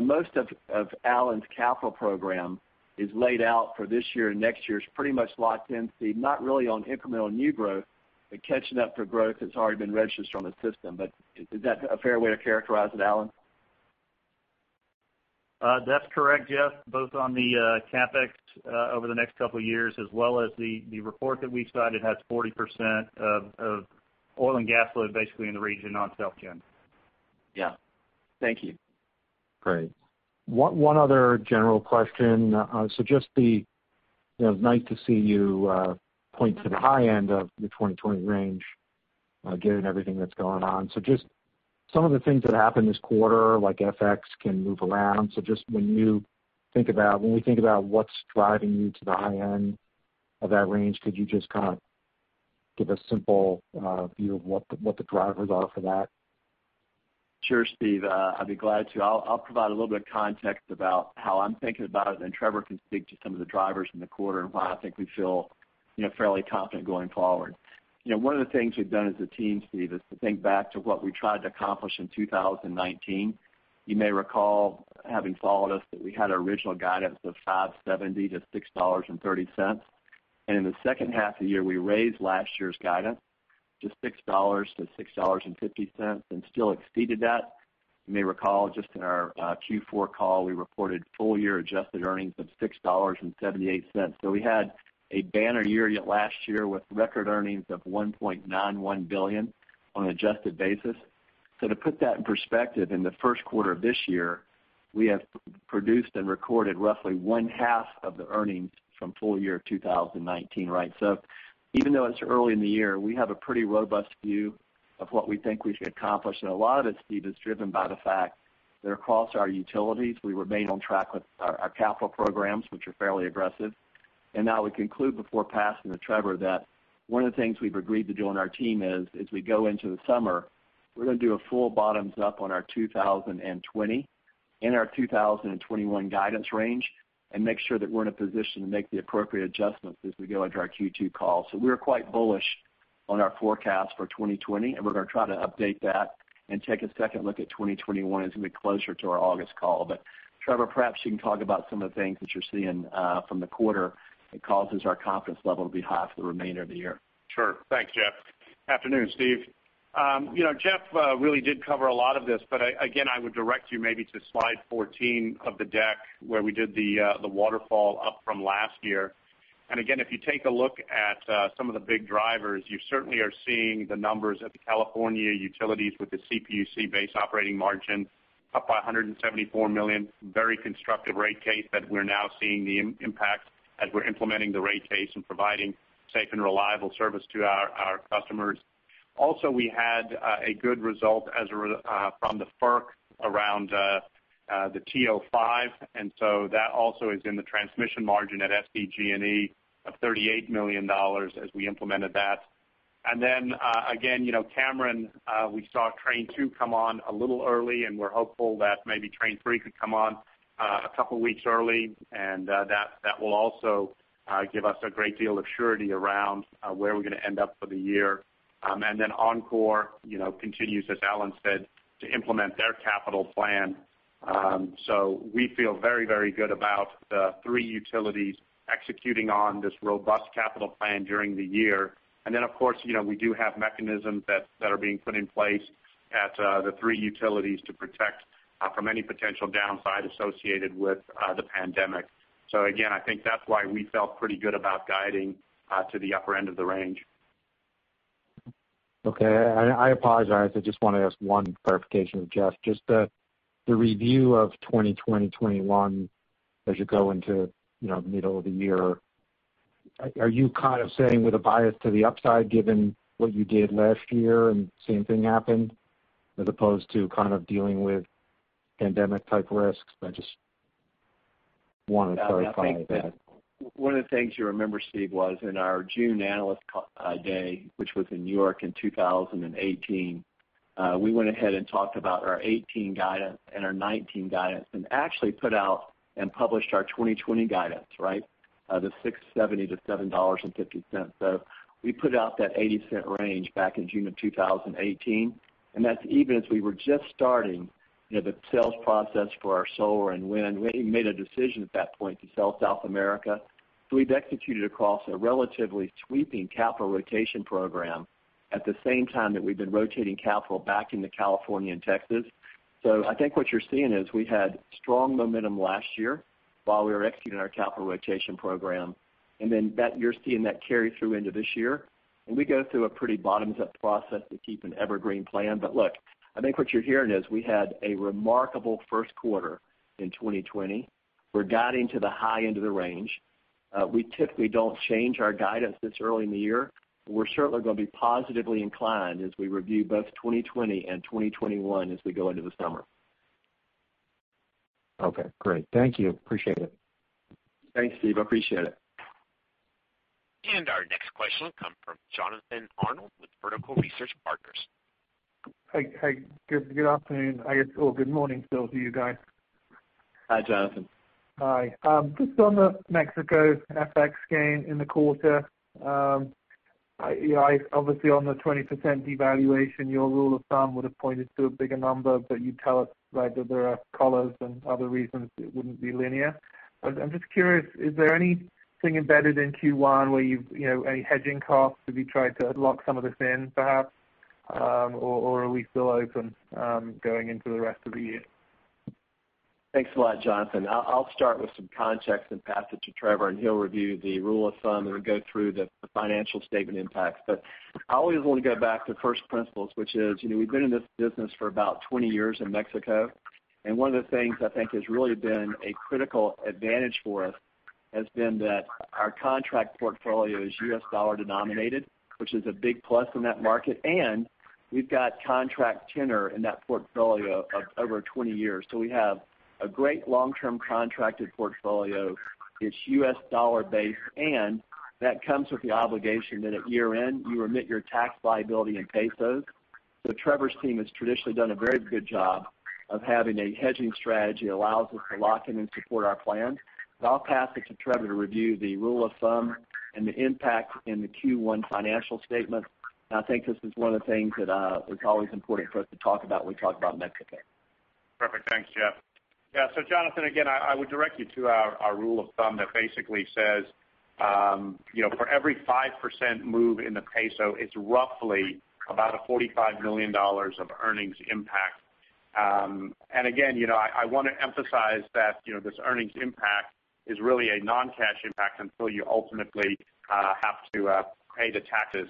Most of Allen's capital program is laid out for this year, and next year is pretty much locked in, Steve, not really on incremental new growth, but catching up for growth that's already been registered on the system. Is that a fair way to characterize it, Allen? That's correct, Jeff, both on the CapEx over the next couple of years, as well as the report that we cited has 40% of oil and gas load basically in the region on self-gen. Yeah. Thank you. Great. One other general question. It was nice to see you point to the high end of the 2020 range, given everything that's going on. Just some of the things that happened this quarter, like FX can move around. Just when we think about what's driving you to the high end of that range, could you just kind of give a simple view of what the drivers are for that? Sure, Steve. I'd be glad to. I'll provide a little bit of context about how I'm thinking about it, then Trevor can speak to some of the drivers in the quarter and why I think we feel fairly confident going forward. One of the things we've done as a team, Steve, is to think back to what we tried to accomplish in 2019. You may recall, having followed us, that we had original guidance of $5.70-$6.30. In the second half of the year, we raised last year's guidance to $6-$6.50 and still exceeded that. You may recall, just in our Q4 call, we reported full-year adjusted earnings of $6.78. We had a banner year last year with record earnings of $1.91 billion on an adjusted basis. To put that in perspective, in the first quarter of this year, we have produced and recorded roughly one half of the earnings from full year 2019. Even though it's early in the year, we have a pretty robust view of what we think we can accomplish. A lot of it, Steve, is driven by the fact that across our utilities, we remain on track with our capital programs, which are fairly aggressive. I would conclude before passing to Trevor that one of the things we've agreed to do on our team is, as we go into the summer, we're going to do a full bottoms-up on our 2020 and our 2021 guidance range and make sure that we're in a position to make the appropriate adjustments as we go into our Q2 call. We're quite bullish on our forecast for 2020, and we're going to try to update that and take a second look at 2021 as we get closer to our August call. Trevor, perhaps you can talk about some of the things that you're seeing from the quarter that causes our confidence level to be high for the remainder of the year. Sure. Thanks, Jeff. Afternoon, Steve. Jeff really did cover a lot of this. Again, I would direct you maybe to slide 14 of the deck where we did the waterfall up from last year. Again, if you take a look at some of the big drivers, you certainly are seeing the numbers at the California utilities with the CPUC base operating margin up by $174 million. Very constructive rate case that we're now seeing the impact as we're implementing the rate case and providing safe and reliable service to our customers. Also, we had a good result from the FERC around the TO5. That also is in the transmission margin at SDG&E of $38 million as we implemented that. Again, Cameron, we saw Train 2 come on a little early, and we're hopeful that maybe Train 3 could come on a couple of weeks early. That will also give us a great deal of surety around where we're going to end up for the year. Then Oncor continues, as Allen said, to implement their capital plan. We feel very, very good about the three utilities executing on this robust capital plan during the year. Then, of course, we do have mechanisms that are being put in place at the three utilities to protect from any potential downside associated with the pandemic. Again, I think that's why we felt pretty good about guiding to the upper end of the range. Okay. I apologize, I just want to ask one clarification of Jeff, just the review of 2020, 2021 as you go into the middle of the year. Are you kind of saying with a bias to the upside, given what you did last year and same thing happened, as opposed to kind of dealing with pandemic-type risks? I just want to clarify that. One of the things you remember, Steve, was in our June Analyst Day, which was in New York in 2018, we went ahead and talked about our 2018 guidance and our 2019 guidance and actually put out and published our 2020 guidance, right, the $6.70-$7.50. We put out that $0.80 range back in June of 2018, and that's even as we were just starting the sales process for our solar and wind. We even made a decision at that point to sell South America. We've executed across a relatively sweeping capital rotation program at the same time that we've been rotating capital back into California and Texas. I think what you're seeing is we had strong momentum last year while we were executing our capital rotation program, and then you're seeing that carry through into this year. We go through a pretty bottoms-up process to keep an evergreen plan. Look, I think what you're hearing is we had a remarkable first quarter in 2020. We're guiding to the high end of the range. We typically don't change our guidance this early in the year. We're certainly going to be positively inclined as we review both 2020 and 2021 as we go into the summer. Okay, great. Thank you. Appreciate it. Thanks, Steve, appreciate it. Our next question will come from Jonathan Arnold with Vertical Research Partners. Hey. Good afternoon, I guess, or good morning still to you guys. Hi, Jonathan. Hi. Just on the Mexico FX gain in the quarter. Obviously, on the 20% devaluation, your rule of thumb would have pointed to a bigger number, but you tell us that there are collars and other reasons it wouldn't be linear. I'm just curious, is there anything embedded in Q1 where any hedging costs, have you tried to lock some of this in perhaps? Are we still open going into the rest of the year? Thanks a lot, Jonathan. I'll start with some context and pass it to Trevor, he'll review the rule of thumb and go through the financial statement impacts. I always want to go back to first principles, which is we've been in this business for about 20 years in Mexico, and one of the things I think has really been a critical advantage for us has been that our contract portfolio is U.S. dollar denominated, which is a big plus in that market. We've got contract tenor in that portfolio of over 20 years. We have a great long-term contracted portfolio. It's U.S. dollar-based, and that comes with the obligation that at year-end, you remit your tax liability in pesos. Trevor's team has traditionally done a very good job of having a hedging strategy that allows us to lock in and support our plan. I'll pass it to Trevor to review the rule of thumb and the impact in the Q1 financial statement. I think this is one of the things that is always important for us to talk about when we talk about Mexico. Perfect. Thanks, Jeff. Yeah. Jonathan, again, I would direct you to our rule of thumb that basically says for every 5% move in the peso, it's roughly about a $45 million of earnings impact. Again, I want to emphasize that this earnings impact is really a non-cash impact until you ultimately have to pay the taxes.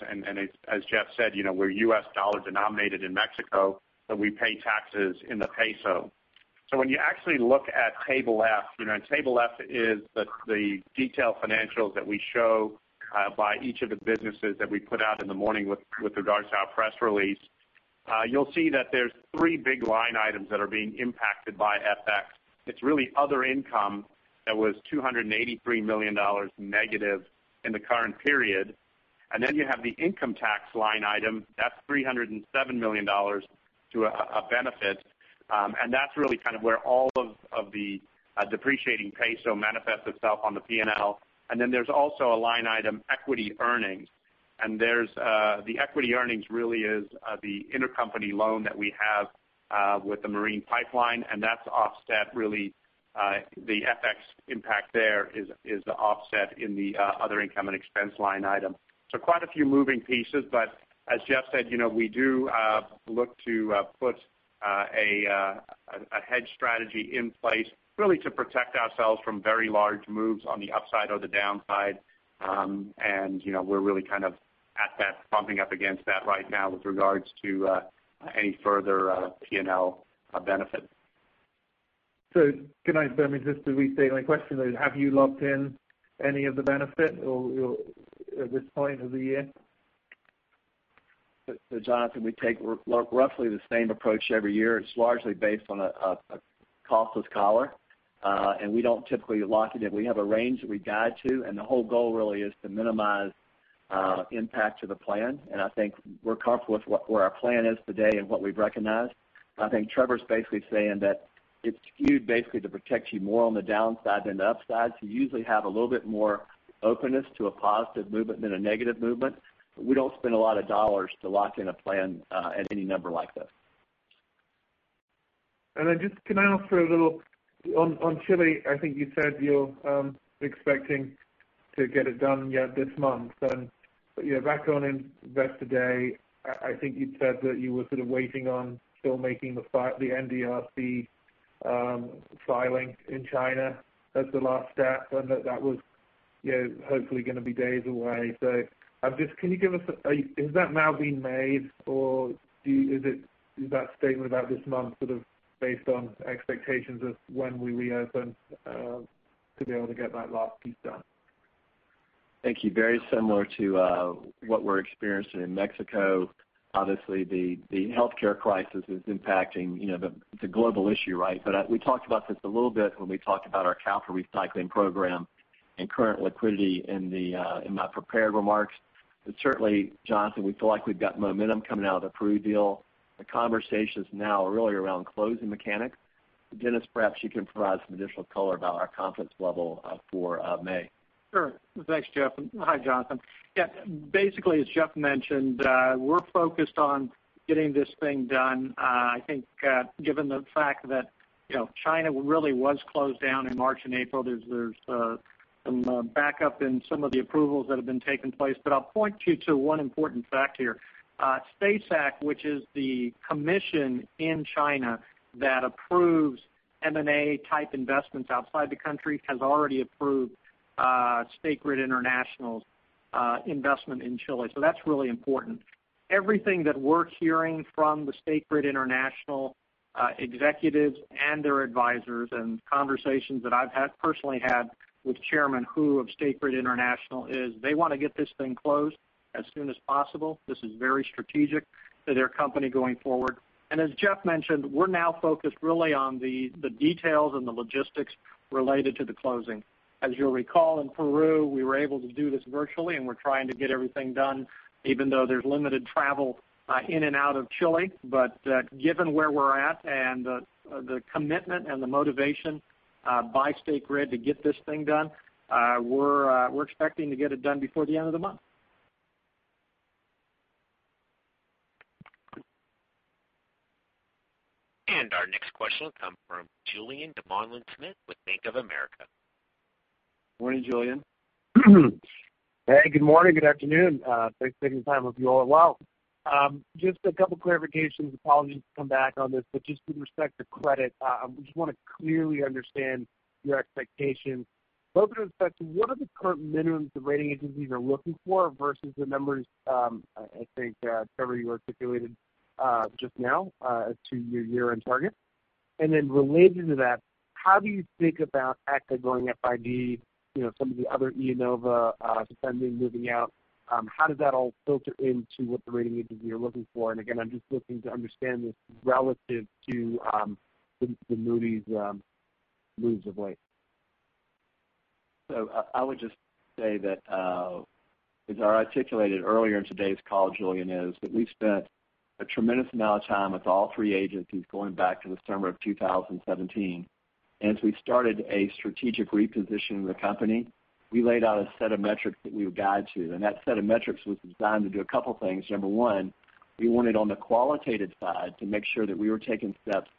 As Jeff said, we're U.S. dollar-denominated in Mexico, but we pay taxes in the peso. When you actually look at Table F, and Table F is the detailed financials that we show by each of the businesses that we put out in the morning with regards to our press release. You'll see that there's three big line items that are being impacted by FX. It's really other income that was $283 million negative in the current period. You have the income tax line item, that's $307 million to a benefit. That's really kind of where all of the depreciating peso manifests itself on the P&L. There's also a line item equity earnings. The equity earnings really is the intercompany loan that we have with the marine pipeline, and that's offset. The FX impact there is the offset in the other income and expense line item. Quite a few moving pieces, but as Jeff said, we do look to put a hedge strategy in place, really to protect ourselves from very large moves on the upside or the downside. We're really kind of at that, bumping up against that right now with regards to any further P&L benefit. Good night. Let me just restate my question then. Have you locked in any of the benefit or at this point of the year? Jonathan, we take roughly the same approach every year. It's largely based on a costless collar. We don't typically lock it in. We have a range that we guide to, and the whole goal really is to minimize impact to the plan. I think we're comfortable with where our plan is today and what we've recognized. I think Trevor's basically saying that it's skewed basically to protect you more on the downside than the upside. You usually have a little bit more openness to a positive movement than a negative movement. We don't spend a lot of dollars to lock in a plan at any number like this. Just can I ask for a little on Chile, I think you said you're expecting to get it done yet this month and back on Investor Day, I think you'd said that you were sort of waiting on still making the NDRC filing in China as the last step, and that was hopefully going to be days away. Can you give us a? Has that now been made, or is that statement about this month sort of based on expectations of when we reopen to be able to get that last piece done? Thank you. Very similar to what we're experiencing in Mexico. Obviously, the healthcare crisis is impacting, it's a global issue, right? We talked about this a little bit when we talked about our capital recycling program and current liquidity in my prepared remarks. Certainly, Jonathan, we feel like we've got momentum coming out of the Peru deal. The conversation is now really around closing mechanics. Dennis, perhaps you can provide some additional color about our confidence level for May. Sure. Thanks, Jeff, and hi, Jonathan. Yeah, basically, as Jeff mentioned, we're focused on getting this thing done. I think given the fact that China really was closed down in March and April, there's some backup in some of the approvals that have been taking place. I'll point you to one important fact here. SASAC, which is the commission in China that approves M&A-type investments outside the country, has already approved State Grid International's investment in Chile. That's really important. Everything that we're hearing from the State Grid International executives and their advisors, and conversations that I've personally had with Chairman Hu of State Grid International is they want to get this thing closed as soon as possible. This is very strategic to their company going forward. As Jeff mentioned, we're now focused really on the details and the logistics related to the closing. As you'll recall, in Peru, we were able to do this virtually, and we're trying to get everything done, even though there's limited travel in and out of Chile. Given where we're at and the commitment and the motivation by State Grid to get this thing done, we're expecting to get it done before the end of the month. Our next question will come from Julien Dumoulin-Smith with Bank of America. Morning, Julien. Hey, good morning, good afternoon. Thanks for taking the time with me. All well. Just a couple clarifications. Apologies to come back on this, but just with respect to credit, we just want to clearly understand your expectations, both with respect to what are the current minimums the rating agencies are looking for versus the numbers, I think, Trevor, you articulated just now to your year-end target. Related to that, how do you think about ECA going FID, some of the other IEnova defending, moving out? How does that all filter into what the rating agencies are looking for? Again, I'm just looking to understand this relative to the Moody's moves of late. I would just say that as I articulated earlier in today's call, Julien, is that we've spent a tremendous amount of time with all three agencies going back to the summer of 2017. As we started a strategic repositioning of the company, we laid out a set of metrics that we would guide to, and that set of metrics was designed to do a couple things. Number one, we wanted on the qualitative side to make sure that we were taking steps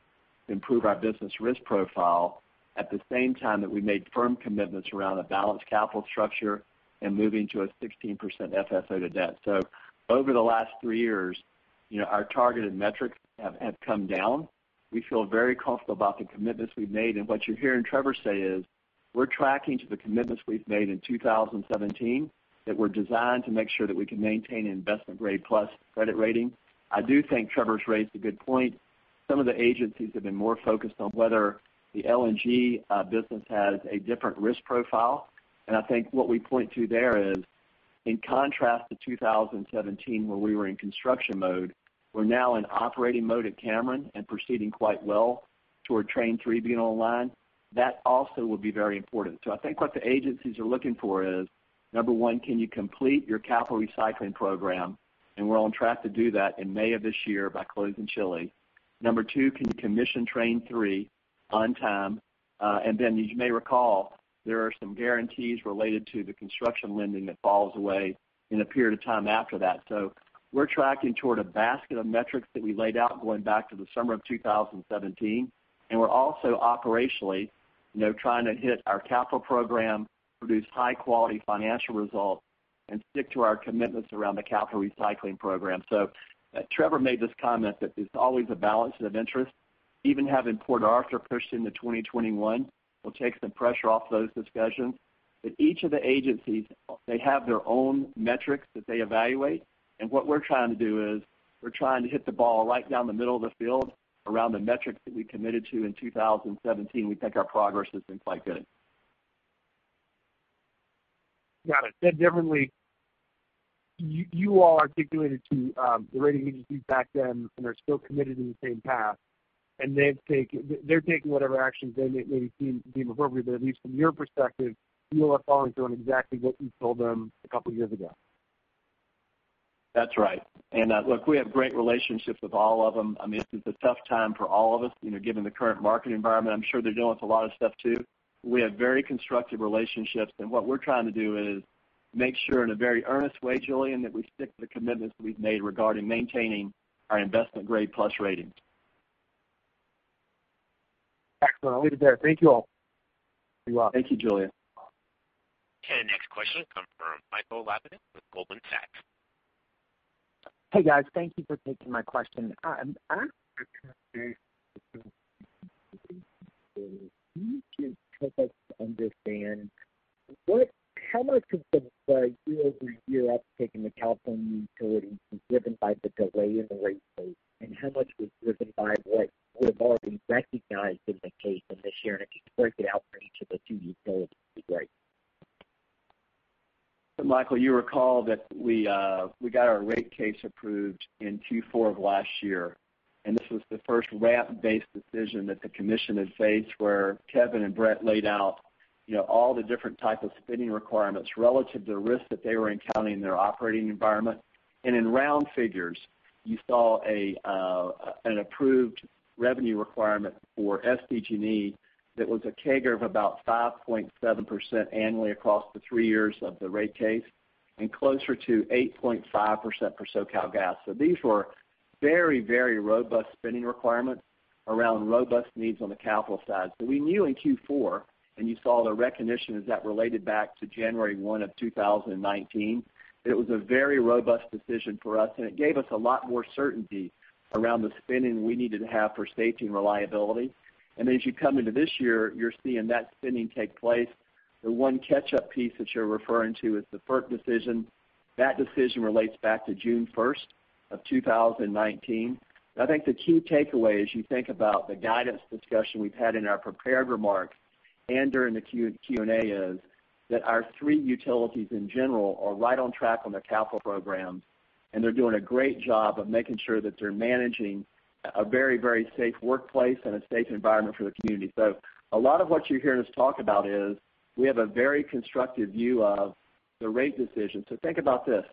to improve our business risk profile at the same time that we made firm commitments around a balanced capital structure and moving to a 16% FFO to debt. Over the last three years, our targeted metrics have come down. We feel very comfortable about the commitments we've made. What you're hearing Trevor say is we're tracking to the commitments we've made in 2017 that were designed to make sure that we can maintain an investment-grade-plus credit rating. I do think Trevor's raised a good point. Some of the agencies have been more focused on whether the LNG business has a different risk profile. I think what we point to there is, in contrast to 2017, where we were in construction mode, we're now in operating mode at Cameron and proceeding quite well toward Train 3 being online. That also will be very important. I think what the agencies are looking for is, number one, can you complete your capital recycling program? We're on track to do that in May of this year by closing Chile. Number two, can you commission Train 3 on time. Then as you may recall, there are some guarantees related to the construction lending that falls away in a period of time after that. We're tracking toward a basket of metrics that we laid out going back to the summer of 2017, and we're also operationally trying to hit our capital program, produce high-quality financial results, and stick to our commitments around the capital recycling program. Trevor made this comment that there's always a balance of interest. Even having Port Arthur pushed into 2021 will take some pressure off those discussions. Each of the agencies, they have their own metrics that they evaluate, and what we're trying to do is we're trying to hit the ball right down the middle of the field around the metrics that we committed to in 2017. We think our progress has been quite good. Got it. Said differently, you all articulated to the rating agencies back then and are still committed in the same path, and they're taking whatever actions they may deem appropriate, but at least from your perspective, you are following through on exactly what you told them a couple of years ago. That's right. Look, we have great relationships with all of them. It's a tough time for all of us, given the current market environment. I'm sure they're dealing with a lot of stuff, too. We have very constructive relationships, and what we're trying to do is make sure, in a very earnest way, Julien, that we stick to the commitments we've made regarding maintaining our investment-grade-plus ratings. Excellent. I'll leave it there. Thank you all. You are. Thank you, Julien. Next question comes from Michael Lapides with Goldman Sachs. Hey, guys. Thank you for taking my question. I'm trying to understand, can you just help us understand how much of the year-over-year uptick in the California utility was driven by the delay in the rate case, and how much was driven by what you had already recognized in the case from this year? If you could break it out for each of the two utilities, that'd be great. Michael, you recall that we got our rate case approved in Q4 of last year, this was the first RAMP-based decision that the commission has faced where Kevin and Brett laid out all the different types of spending requirements relative to risk that they were encountering in their operating environment. In round figures, you saw an approved revenue requirement for SDG&E that was a CAGR of about 5.7% annually across the three years of the rate case, closer to 8.5% for SoCalGas. These were very robust spending requirements around robust needs on the capital side. We knew in Q4, you saw the recognition as that related back to January 1 of 2019, it was a very robust decision for us, it gave us a lot more certainty around the spending we needed to have for safety and reliability. As you come into this year, you're seeing that spending take place. The one catch-up piece that you're referring to is the FERC decision. That decision relates back to June 1st of 2019. I think the key takeaway as you think about the guidance discussion we've had in our prepared remarks and during the Q&A is that our three utilities in general are right on track on their capital programs, and they're doing a great job of making sure that they're managing a very safe workplace and a safe environment for the community. A lot of what you're hearing us talk about is we have a very constructive view of the rate decision. Think about this.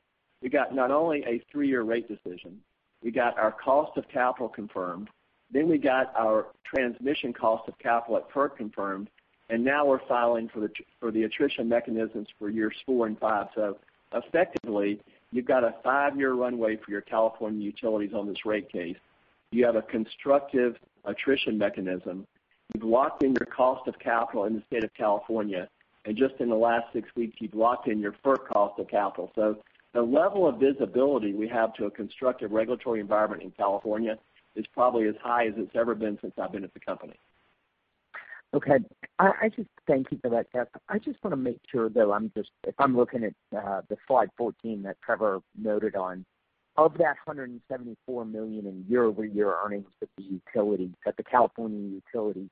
We got not only a three-year rate decision, we got our cost of capital confirmed, then we got our transmission cost of capital at FERC confirmed, and now we're filing for the attrition mechanisms for years four and five. Effectively, you've got a five-year runway for your California utilities on this rate case. You have a constructive attrition mechanism. You've locked in your cost of capital in the state of California. Just in the last six weeks, you've locked in your FERC cost of capital. The level of visibility we have to a constructive regulatory environment in California is probably as high as it's ever been since I've been at the company. Okay. Thank you for that, Kevin. I just want to make sure, though, if I'm looking at the slide 14 that Trevor noted on, of that $174 million in year-over-year earnings at the California utility,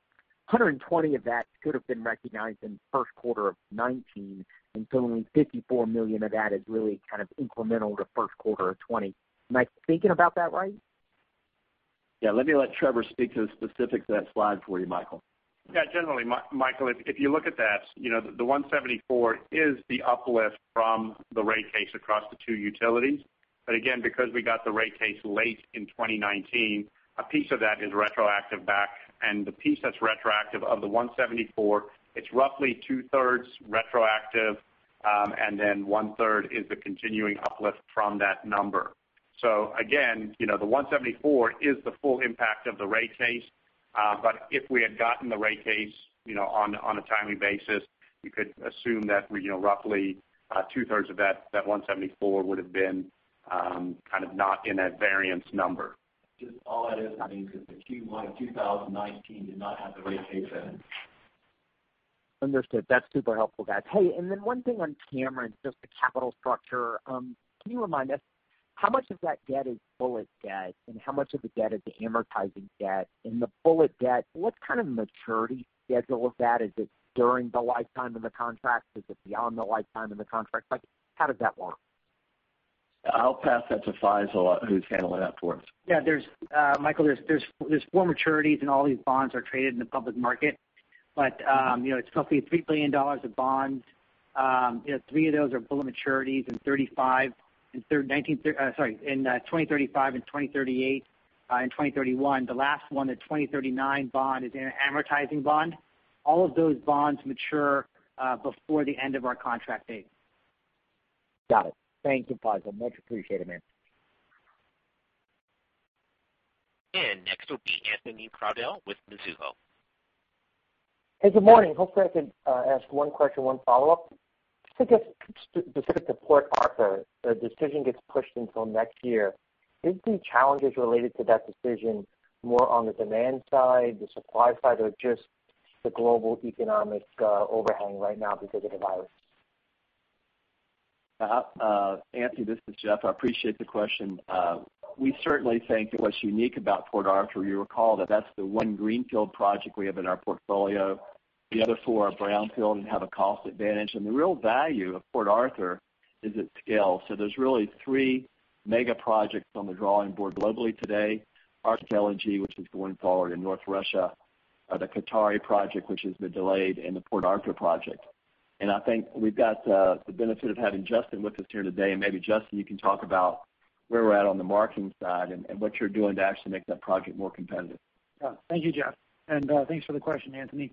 $120 million of that should have been recognized in the first quarter of 2019, and so only $54 million of that is really kind of incremental to first quarter of 2020. Am I thinking about that right? Yeah. Let me let Trevor speak to the specifics of that slide for you, Michael. Generally, Michael, if you look at that, the $174 million is the uplift from the rate case across the two utilities. Again, because we got the rate case late in 2019, a piece of that is retroactive back, and the piece that's retroactive of the $174 million, it's roughly two-thirds retroactive, and then one-third is the continuing uplift from that number. Again, the $174 million is the full impact of the rate case. If we had gotten the rate case on a timely basis, you could assume that roughly two-thirds of that $174 million would have been kind of not in that variance number. Just all that is, I mean, because the Q1 2019 did not have the rate case in it. Understood. That's super helpful, guys. Hey, then one thing on Cameron, just the capital structure. Can you remind us, how much of that debt is bullet debt, and how much of the debt is the amortizing debt? In the bullet debt, what kind of maturity schedule of that? Is it during the lifetime of the contract? Is it beyond the lifetime of the contract? How did that work? I'll pass that to Faisel, who's handling that for us. Yeah, Michael, there's four maturities, and all these bonds are traded in the public market. It's roughly $3 billion of bonds. Three of those are bullet maturities in 2035, in 2038, and 2031. The last one, the 2039 bond, is an amortizing bond. All of those bonds mature before the end of our contract date. Got it. Thank you, Faisel. Much appreciated, man. Next will be Anthony Crowdell with Mizuho. Hey, good morning. Hopefully I can ask one question, one follow-up. Just to get specific to Port Arthur, the decision gets pushed until next year. Do you think the challenges related to that decision more on the demand side, the supply side, or just the global economic overhang right now because of the virus? Anthony, this is Jeff. I appreciate the question. We certainly think that what's unique about Port Arthur, you recall that that's the one greenfield project we have in our portfolio. The other four are brownfield and have a cost advantage. The real value of Port Arthur is its scale. There's really three mega projects on the drawing board globally today. Arctic LNG, which is going forward in North Russia, the Qatari project, which has been delayed, and the Port Arthur project. I think we've got the benefit of having Justin with us here today, and maybe, Justin, you can talk about where we're at on the marketing side and what you're doing to actually make that project more competitive. Thank you, Jeff, and thanks for the question, Anthony.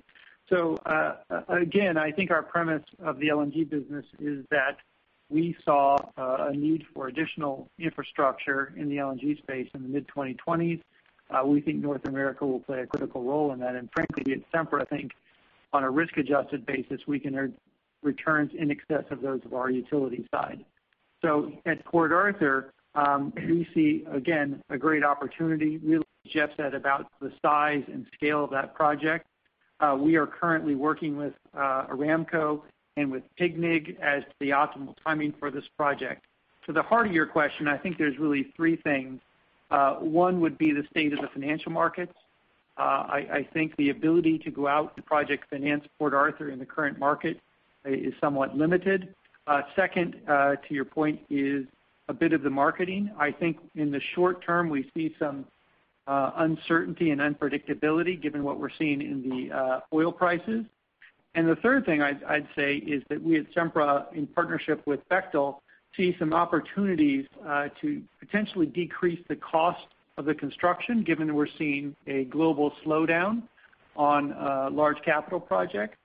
Again, I think our premise of the LNG business is that we saw a need for additional infrastructure in the LNG space in the mid-2020s. We think North America will play a critical role in that. Frankly, at Sempra, I think on a risk-adjusted basis, we can earn returns in excess of those of our utility side. At Port Arthur, we see, again, a great opportunity, really as Jeff said, about the size and scale of that project. We are currently working with Aramco and with PGNiG as to the optimal timing for this project. To the heart of your question, I think there's really three things. One would be the state of the financial markets. I think the ability to go out to project finance Port Arthur in the current market is somewhat limited. Second to your point is a bit of the marketing. I think in the short term, we see some uncertainty and unpredictability given what we're seeing in the oil prices. The third thing I'd say is that we at Sempra, in partnership with Bechtel, see some opportunities to potentially decrease the cost of the construction, given that we're seeing a global slowdown on large-capital projects.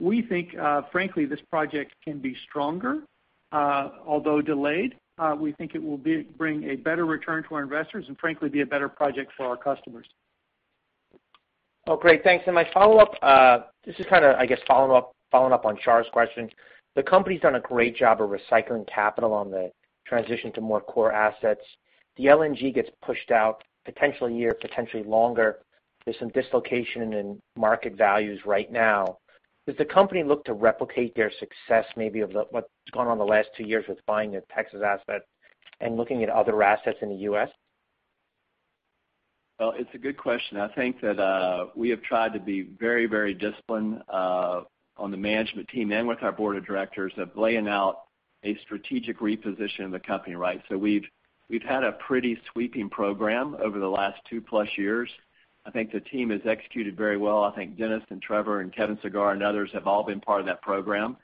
We think, frankly, this project can be stronger. Although delayed, we think it will bring a better return to our investors and frankly, be a better project for our customers. Oh, great. Thanks. My follow-up, this is kind of, I guess, following up on Shar's questions. The company's done a great job of recycling capital on the transition to more core assets. The LNG gets pushed out potentially a year, potentially longer. There's some dislocation in market values right now. Does the company look to replicate their success maybe of what's gone on the last two years with buying the Texas asset and looking at other assets in the U.S.? Well, it's a good question. I think that we have tried to be very disciplined on the management team and with our board of directors of laying out a strategic reposition of the company, right? We've had a pretty sweeping program over the last 2+ years. I think the team has executed very well. I think Dennis and Trevor and Kevin Sagara and others have all been part of that program.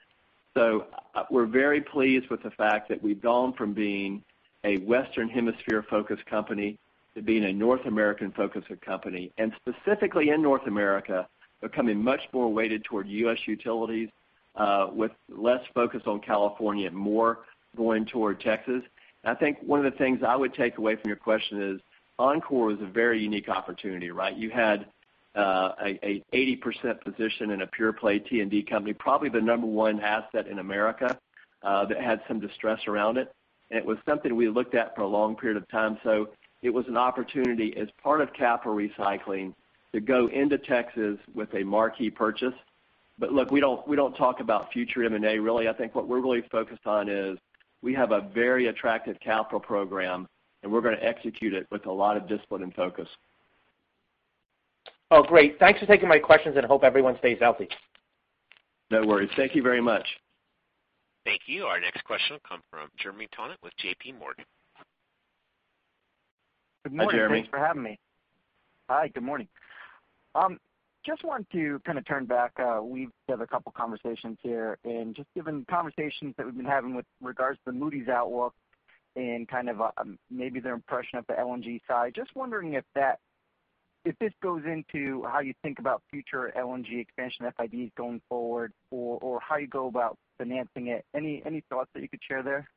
We're very pleased with the fact that we've gone from being a Western Hemisphere-focused company to being a North American-focused company, and specifically in North America, becoming much more weighted toward U.S. utilities, with less focus on California, more going toward Texas. I think one of the things I would take away from your question is, Oncor was a very unique opportunity, right? You had an 80% position in a pure play T&D company, probably the number one asset in America, that had some distress around it. It was something we looked at for a long period of time. It was an opportunity as part of capital recycling to go into Texas with a marquee purchase. Look, we don't talk about future M&A, really. I think what we're really focused on is we have a very attractive capital program, and we're going to execute it with a lot of discipline and focus. Oh, great. Thanks for taking my questions. Hope everyone stays healthy. No worries. Thank you very much. Thank you. Our next question will come from Jeremy Tonet with JPMorgan. Hi, Jeremy. Good morning. Thanks for having me. Hi, good morning. Wanted to kind of turn back. We've had a couple conversations here, just given the conversations that we've been having with regards to the Moody's outlook and kind of maybe their impression of the LNG side, just wondering if this goes into how you think about future LNG expansion FIDs going forward or how you go about financing it. Any thoughts that you could share there?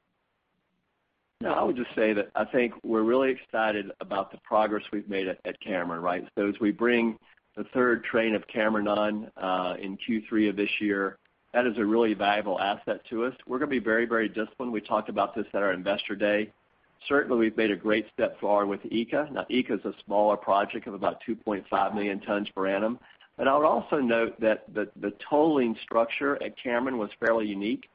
I would just say that I think we're really excited about the progress we've made at Cameron, right? As we bring the third train of Cameron on in Q3 of this year, that is a really valuable asset to us. We're going to be very disciplined. We talked about this at our Investor Day. Certainly, we've made a great step forward with ECA. ECA's a smaller project of about 2.5 million tons per annum. I would also note that the tolling structure at Cameron was fairly unique.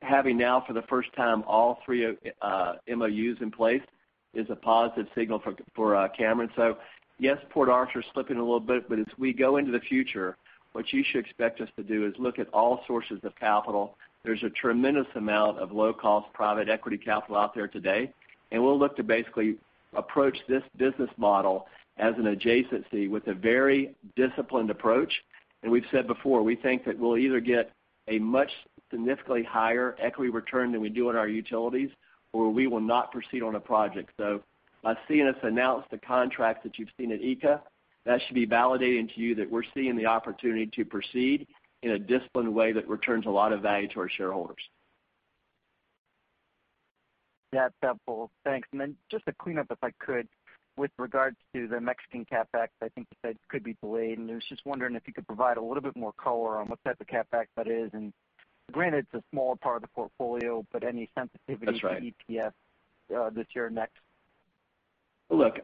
Having now for the first time, all three MOUs in place is a positive signal for Cameron. Yes, Port Arthur's slipping a little bit, but as we go into the future, what you should expect us to do is look at all sources of capital. There's a tremendous amount of low-cost private equity capital out there today, we'll look to basically approach this business model as an adjacency with a very disciplined approach. We've said before, we think that we'll either get a much significantly higher equity return than we do on our utilities, or we will not proceed on a project. By seeing us announce the contracts that you've seen at ECA, that should be validating to you that we're seeing the opportunity to proceed in a disciplined way that returns a lot of value to our shareholders. That's helpful. Thanks. Then just to clean up, if I could, with regards to the Mexican CapEx, I think you said could be delayed, and I was just wondering if you could provide a little bit more color on what type of CapEx that is, and granted, it's a small part of the portfolio, but any sensitivity. That's right. To EPS this year or next.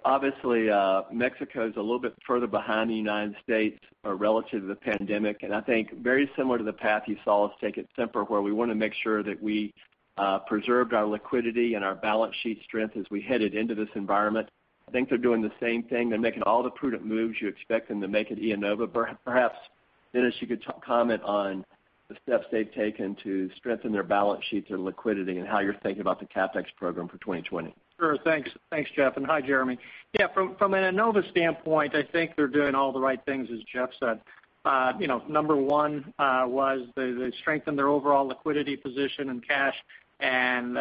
Obviously, Mexico's a little bit further behind the United States or relative to the pandemic, and I think very similar to the path you saw us take at Sempra, where we want to make sure that we preserved our liquidity and our balance sheet strength as we headed into this environment. I think they're doing the same thing. They're making all the prudent moves you expect them to make at IEnova. Perhaps, Dennis, you could comment on the steps they've taken to strengthen their balance sheets or liquidity and how you're thinking about the CapEx program for 2020. Sure. Thanks. Thanks, Jeff, and hi, Jeremy. From an IEnova standpoint, I think they're doing all the right things, as Jeff said. Number one was they strengthened their overall liquidity position and cash and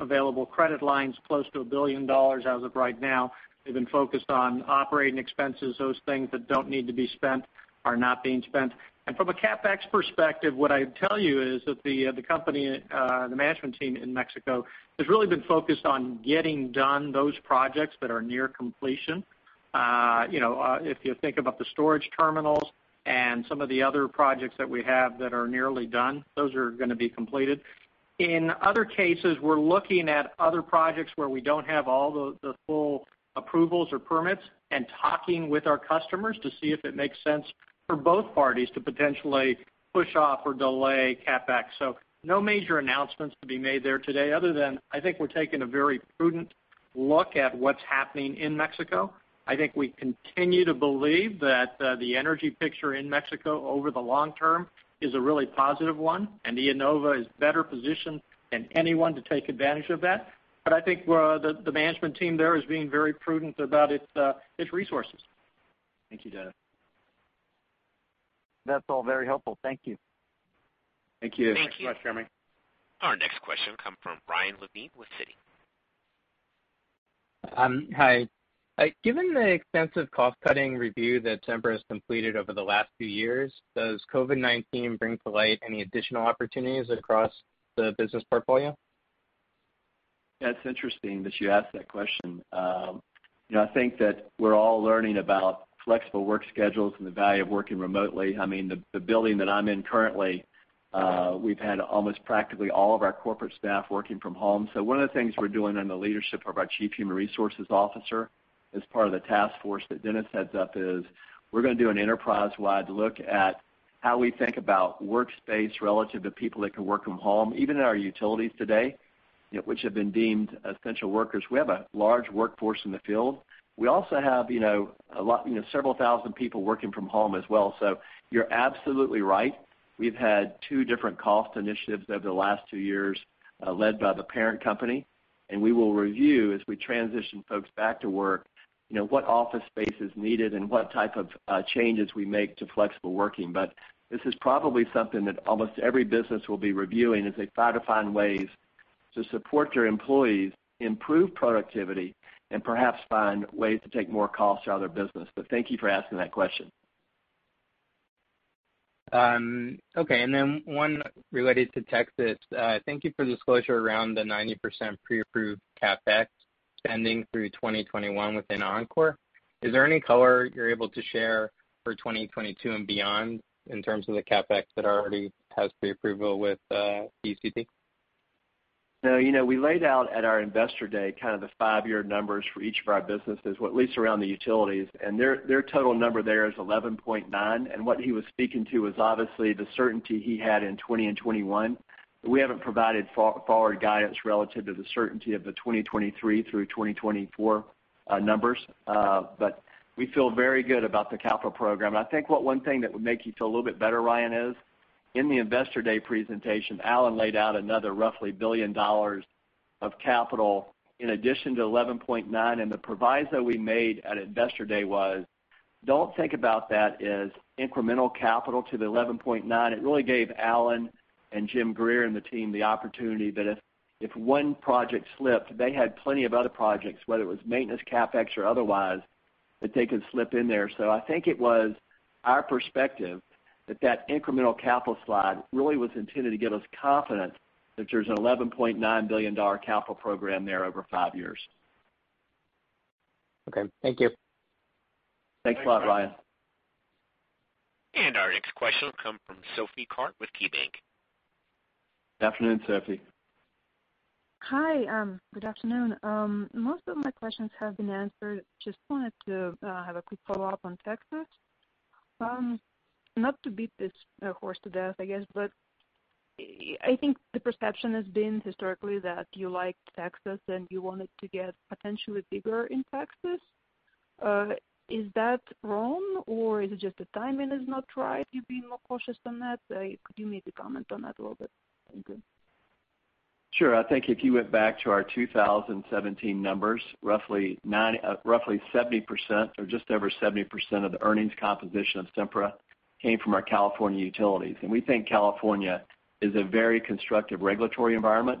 available credit lines close to $1 billion as of right now. They've been focused on operating expenses. Those things that don't need to be spent are not being spent. From a CapEx perspective, what I'd tell you is that the company, the management team in Mexico, has really been focused on getting done those projects that are near completion. If you think about the storage terminals and some of the other projects that we have that are nearly done, those are going to be completed. In other cases, we're looking at other projects where we don't have all the full approvals or permits and talking with our customers to see if it makes sense for both parties to potentially push off or delay CapEx. No major announcements to be made there today other than I think we're taking a very prudent look at what's happening in Mexico. I think we continue to believe that the energy picture in Mexico over the long term is a really positive one, and IEnova is better positioned than anyone to take advantage of that. I think the management team there is being very prudent about its resources. Thank you, Dennis. That's all very helpful. Thank you. Thank you. Thanks a lot, Jeremy. Our next question come from Ryan Levine with Citi. Hi. Given the extensive cost-cutting review that Sempra has completed over the last few years, does COVID-19 bring to light any additional opportunities across the business portfolio? That's interesting that you ask that question. I think that we're all learning about flexible work schedules and the value of working remotely. The building that I'm in currently, we've had almost practically all of our corporate staff working from home. One of the things we're doing under the leadership of our Chief Human Resources Officer as part of the task force that Dennis heads up is we're going to do an enterprise-wide look at how we think about workspace relative to people that can work from home, even in our utilities today, which have been deemed essential workers. We have a large workforce in the field. We also have several thousand people working from home as well. You're absolutely right. We've had two different cost initiatives over the last two years, led by the parent company, and we will review as we transition folks back to work, what office space is needed and what type of changes we make to flexible working. This is probably something that almost every business will be reviewing as they try to find ways to support their employees, improve productivity, and perhaps find ways to take more cost out of their business. Thank you for asking that question. Okay, one related to Texas. Thank you for the disclosure around the 90% pre-approved CapEx spending through 2021 within Oncor. Is there any color you're able to share for 2022 and beyond in terms of the CapEx that already has pre-approval with? We laid out at our Investor Day the five-year numbers for each of our businesses, at least around the utilities, and their total number there is $11.9 billion. What he was speaking to was obviously the certainty he had in 2020 and 2021. We haven't provided forward guidance relative to the certainty of the 2023 through 2024 numbers. We feel very good about the capital program. I think one thing that would make you feel a little bit better, Ryan, is in the Investor Day presentation, Allen laid out another roughly $1 billion of capital in addition to $11.9 billion. The proviso we made at Investor Day was, don't think about that as incremental capital to the $11.9 billion. It really gave Allen and Jim Greer and the team the opportunity that if one project slipped, they had plenty of other projects, whether it was maintenance CapEx or otherwise, that they could slip in there. I think it was our perspective that that incremental capital slide really was intended to give us confidence that there is an $11.9 billion capital program there over five years. Okay. Thank you. Thanks a lot, Ryan. Our next question will come from Sophie Karp with KeyBanc. Good afternoon, Sophie. Hi. Good afternoon. Most of my questions have been answered. Just wanted to have a quick follow-up on Texas. Not to beat this horse to death, I guess, but I think the perception has been historically that you liked Texas and you wanted to get potentially bigger in Texas. Is that wrong, or is it just the timing is not right, you're being more cautious than that? Could you maybe comment on that a little bit? Thank you. Sure. I think if you went back to our 2017 numbers, roughly just over 70% of the earnings composition of Sempra came from our California utilities. We think California is a very constructive regulatory environment.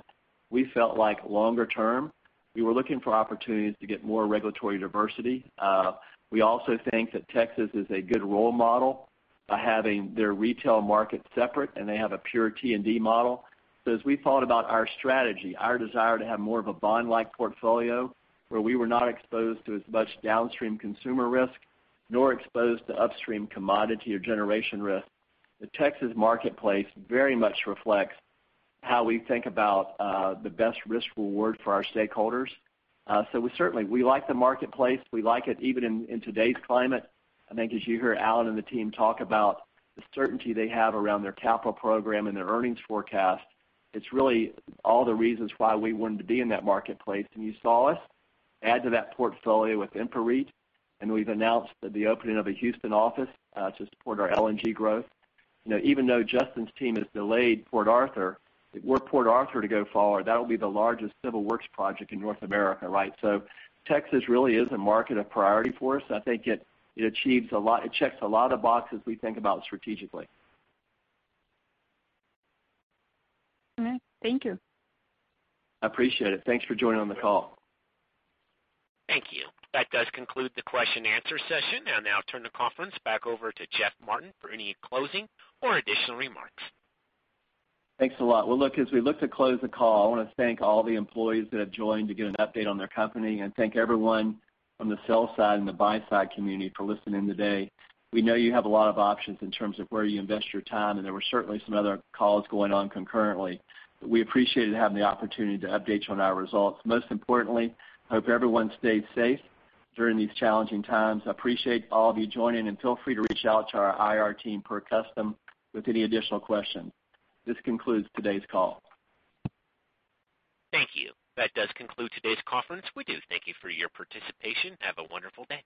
We felt like longer term, we were looking for opportunities to get more regulatory diversity. We also think that Texas is a good role model by having their retail market separate, and they have a pure T&D model. As we thought about our strategy, our desire to have more of a bond-like portfolio, where we were not exposed to as much downstream consumer risk, nor exposed to upstream commodity or generation risk. The Texas marketplace very much reflects how we think about the best risk/reward for our stakeholders. We certainly like the marketplace. We like it even in today's climate. I think as you hear Allen and the team talk about the certainty they have around their capital program and their earnings forecast, it's really all the reasons why we wanted to be in that marketplace. You saw us add to that portfolio with InfraREIT, and we've announced the opening of a Houston office to support our LNG growth. Even though Justin's team has delayed Port Arthur, were Port Arthur to go forward, that'll be the largest civil works project in North America. Texas really is a market of priority for us. I think it checks a lot of boxes we think about strategically. All right. Thank you. I appreciate it. Thanks for joining on the call. Thank you. That does conclude the question and answer session. I'll now turn the conference back over to Jeff Martin for any closing or additional remarks. Look, as we look to close the call, I want to thank all the employees that have joined to get an update on their company and thank everyone from the sell side and the buy side community for listening today. We know you have a lot of options in terms of where you invest your time, and there were certainly some other calls going on concurrently, but we appreciated having the opportunity to update you on our results. Most importantly, I hope everyone stays safe during these challenging times. I appreciate all of you joining, and feel free to reach out to our IR team per custom with any additional questions. This concludes today's call. Thank you. That does conclude today's conference. We do thank you for your participation. Have a wonderful day.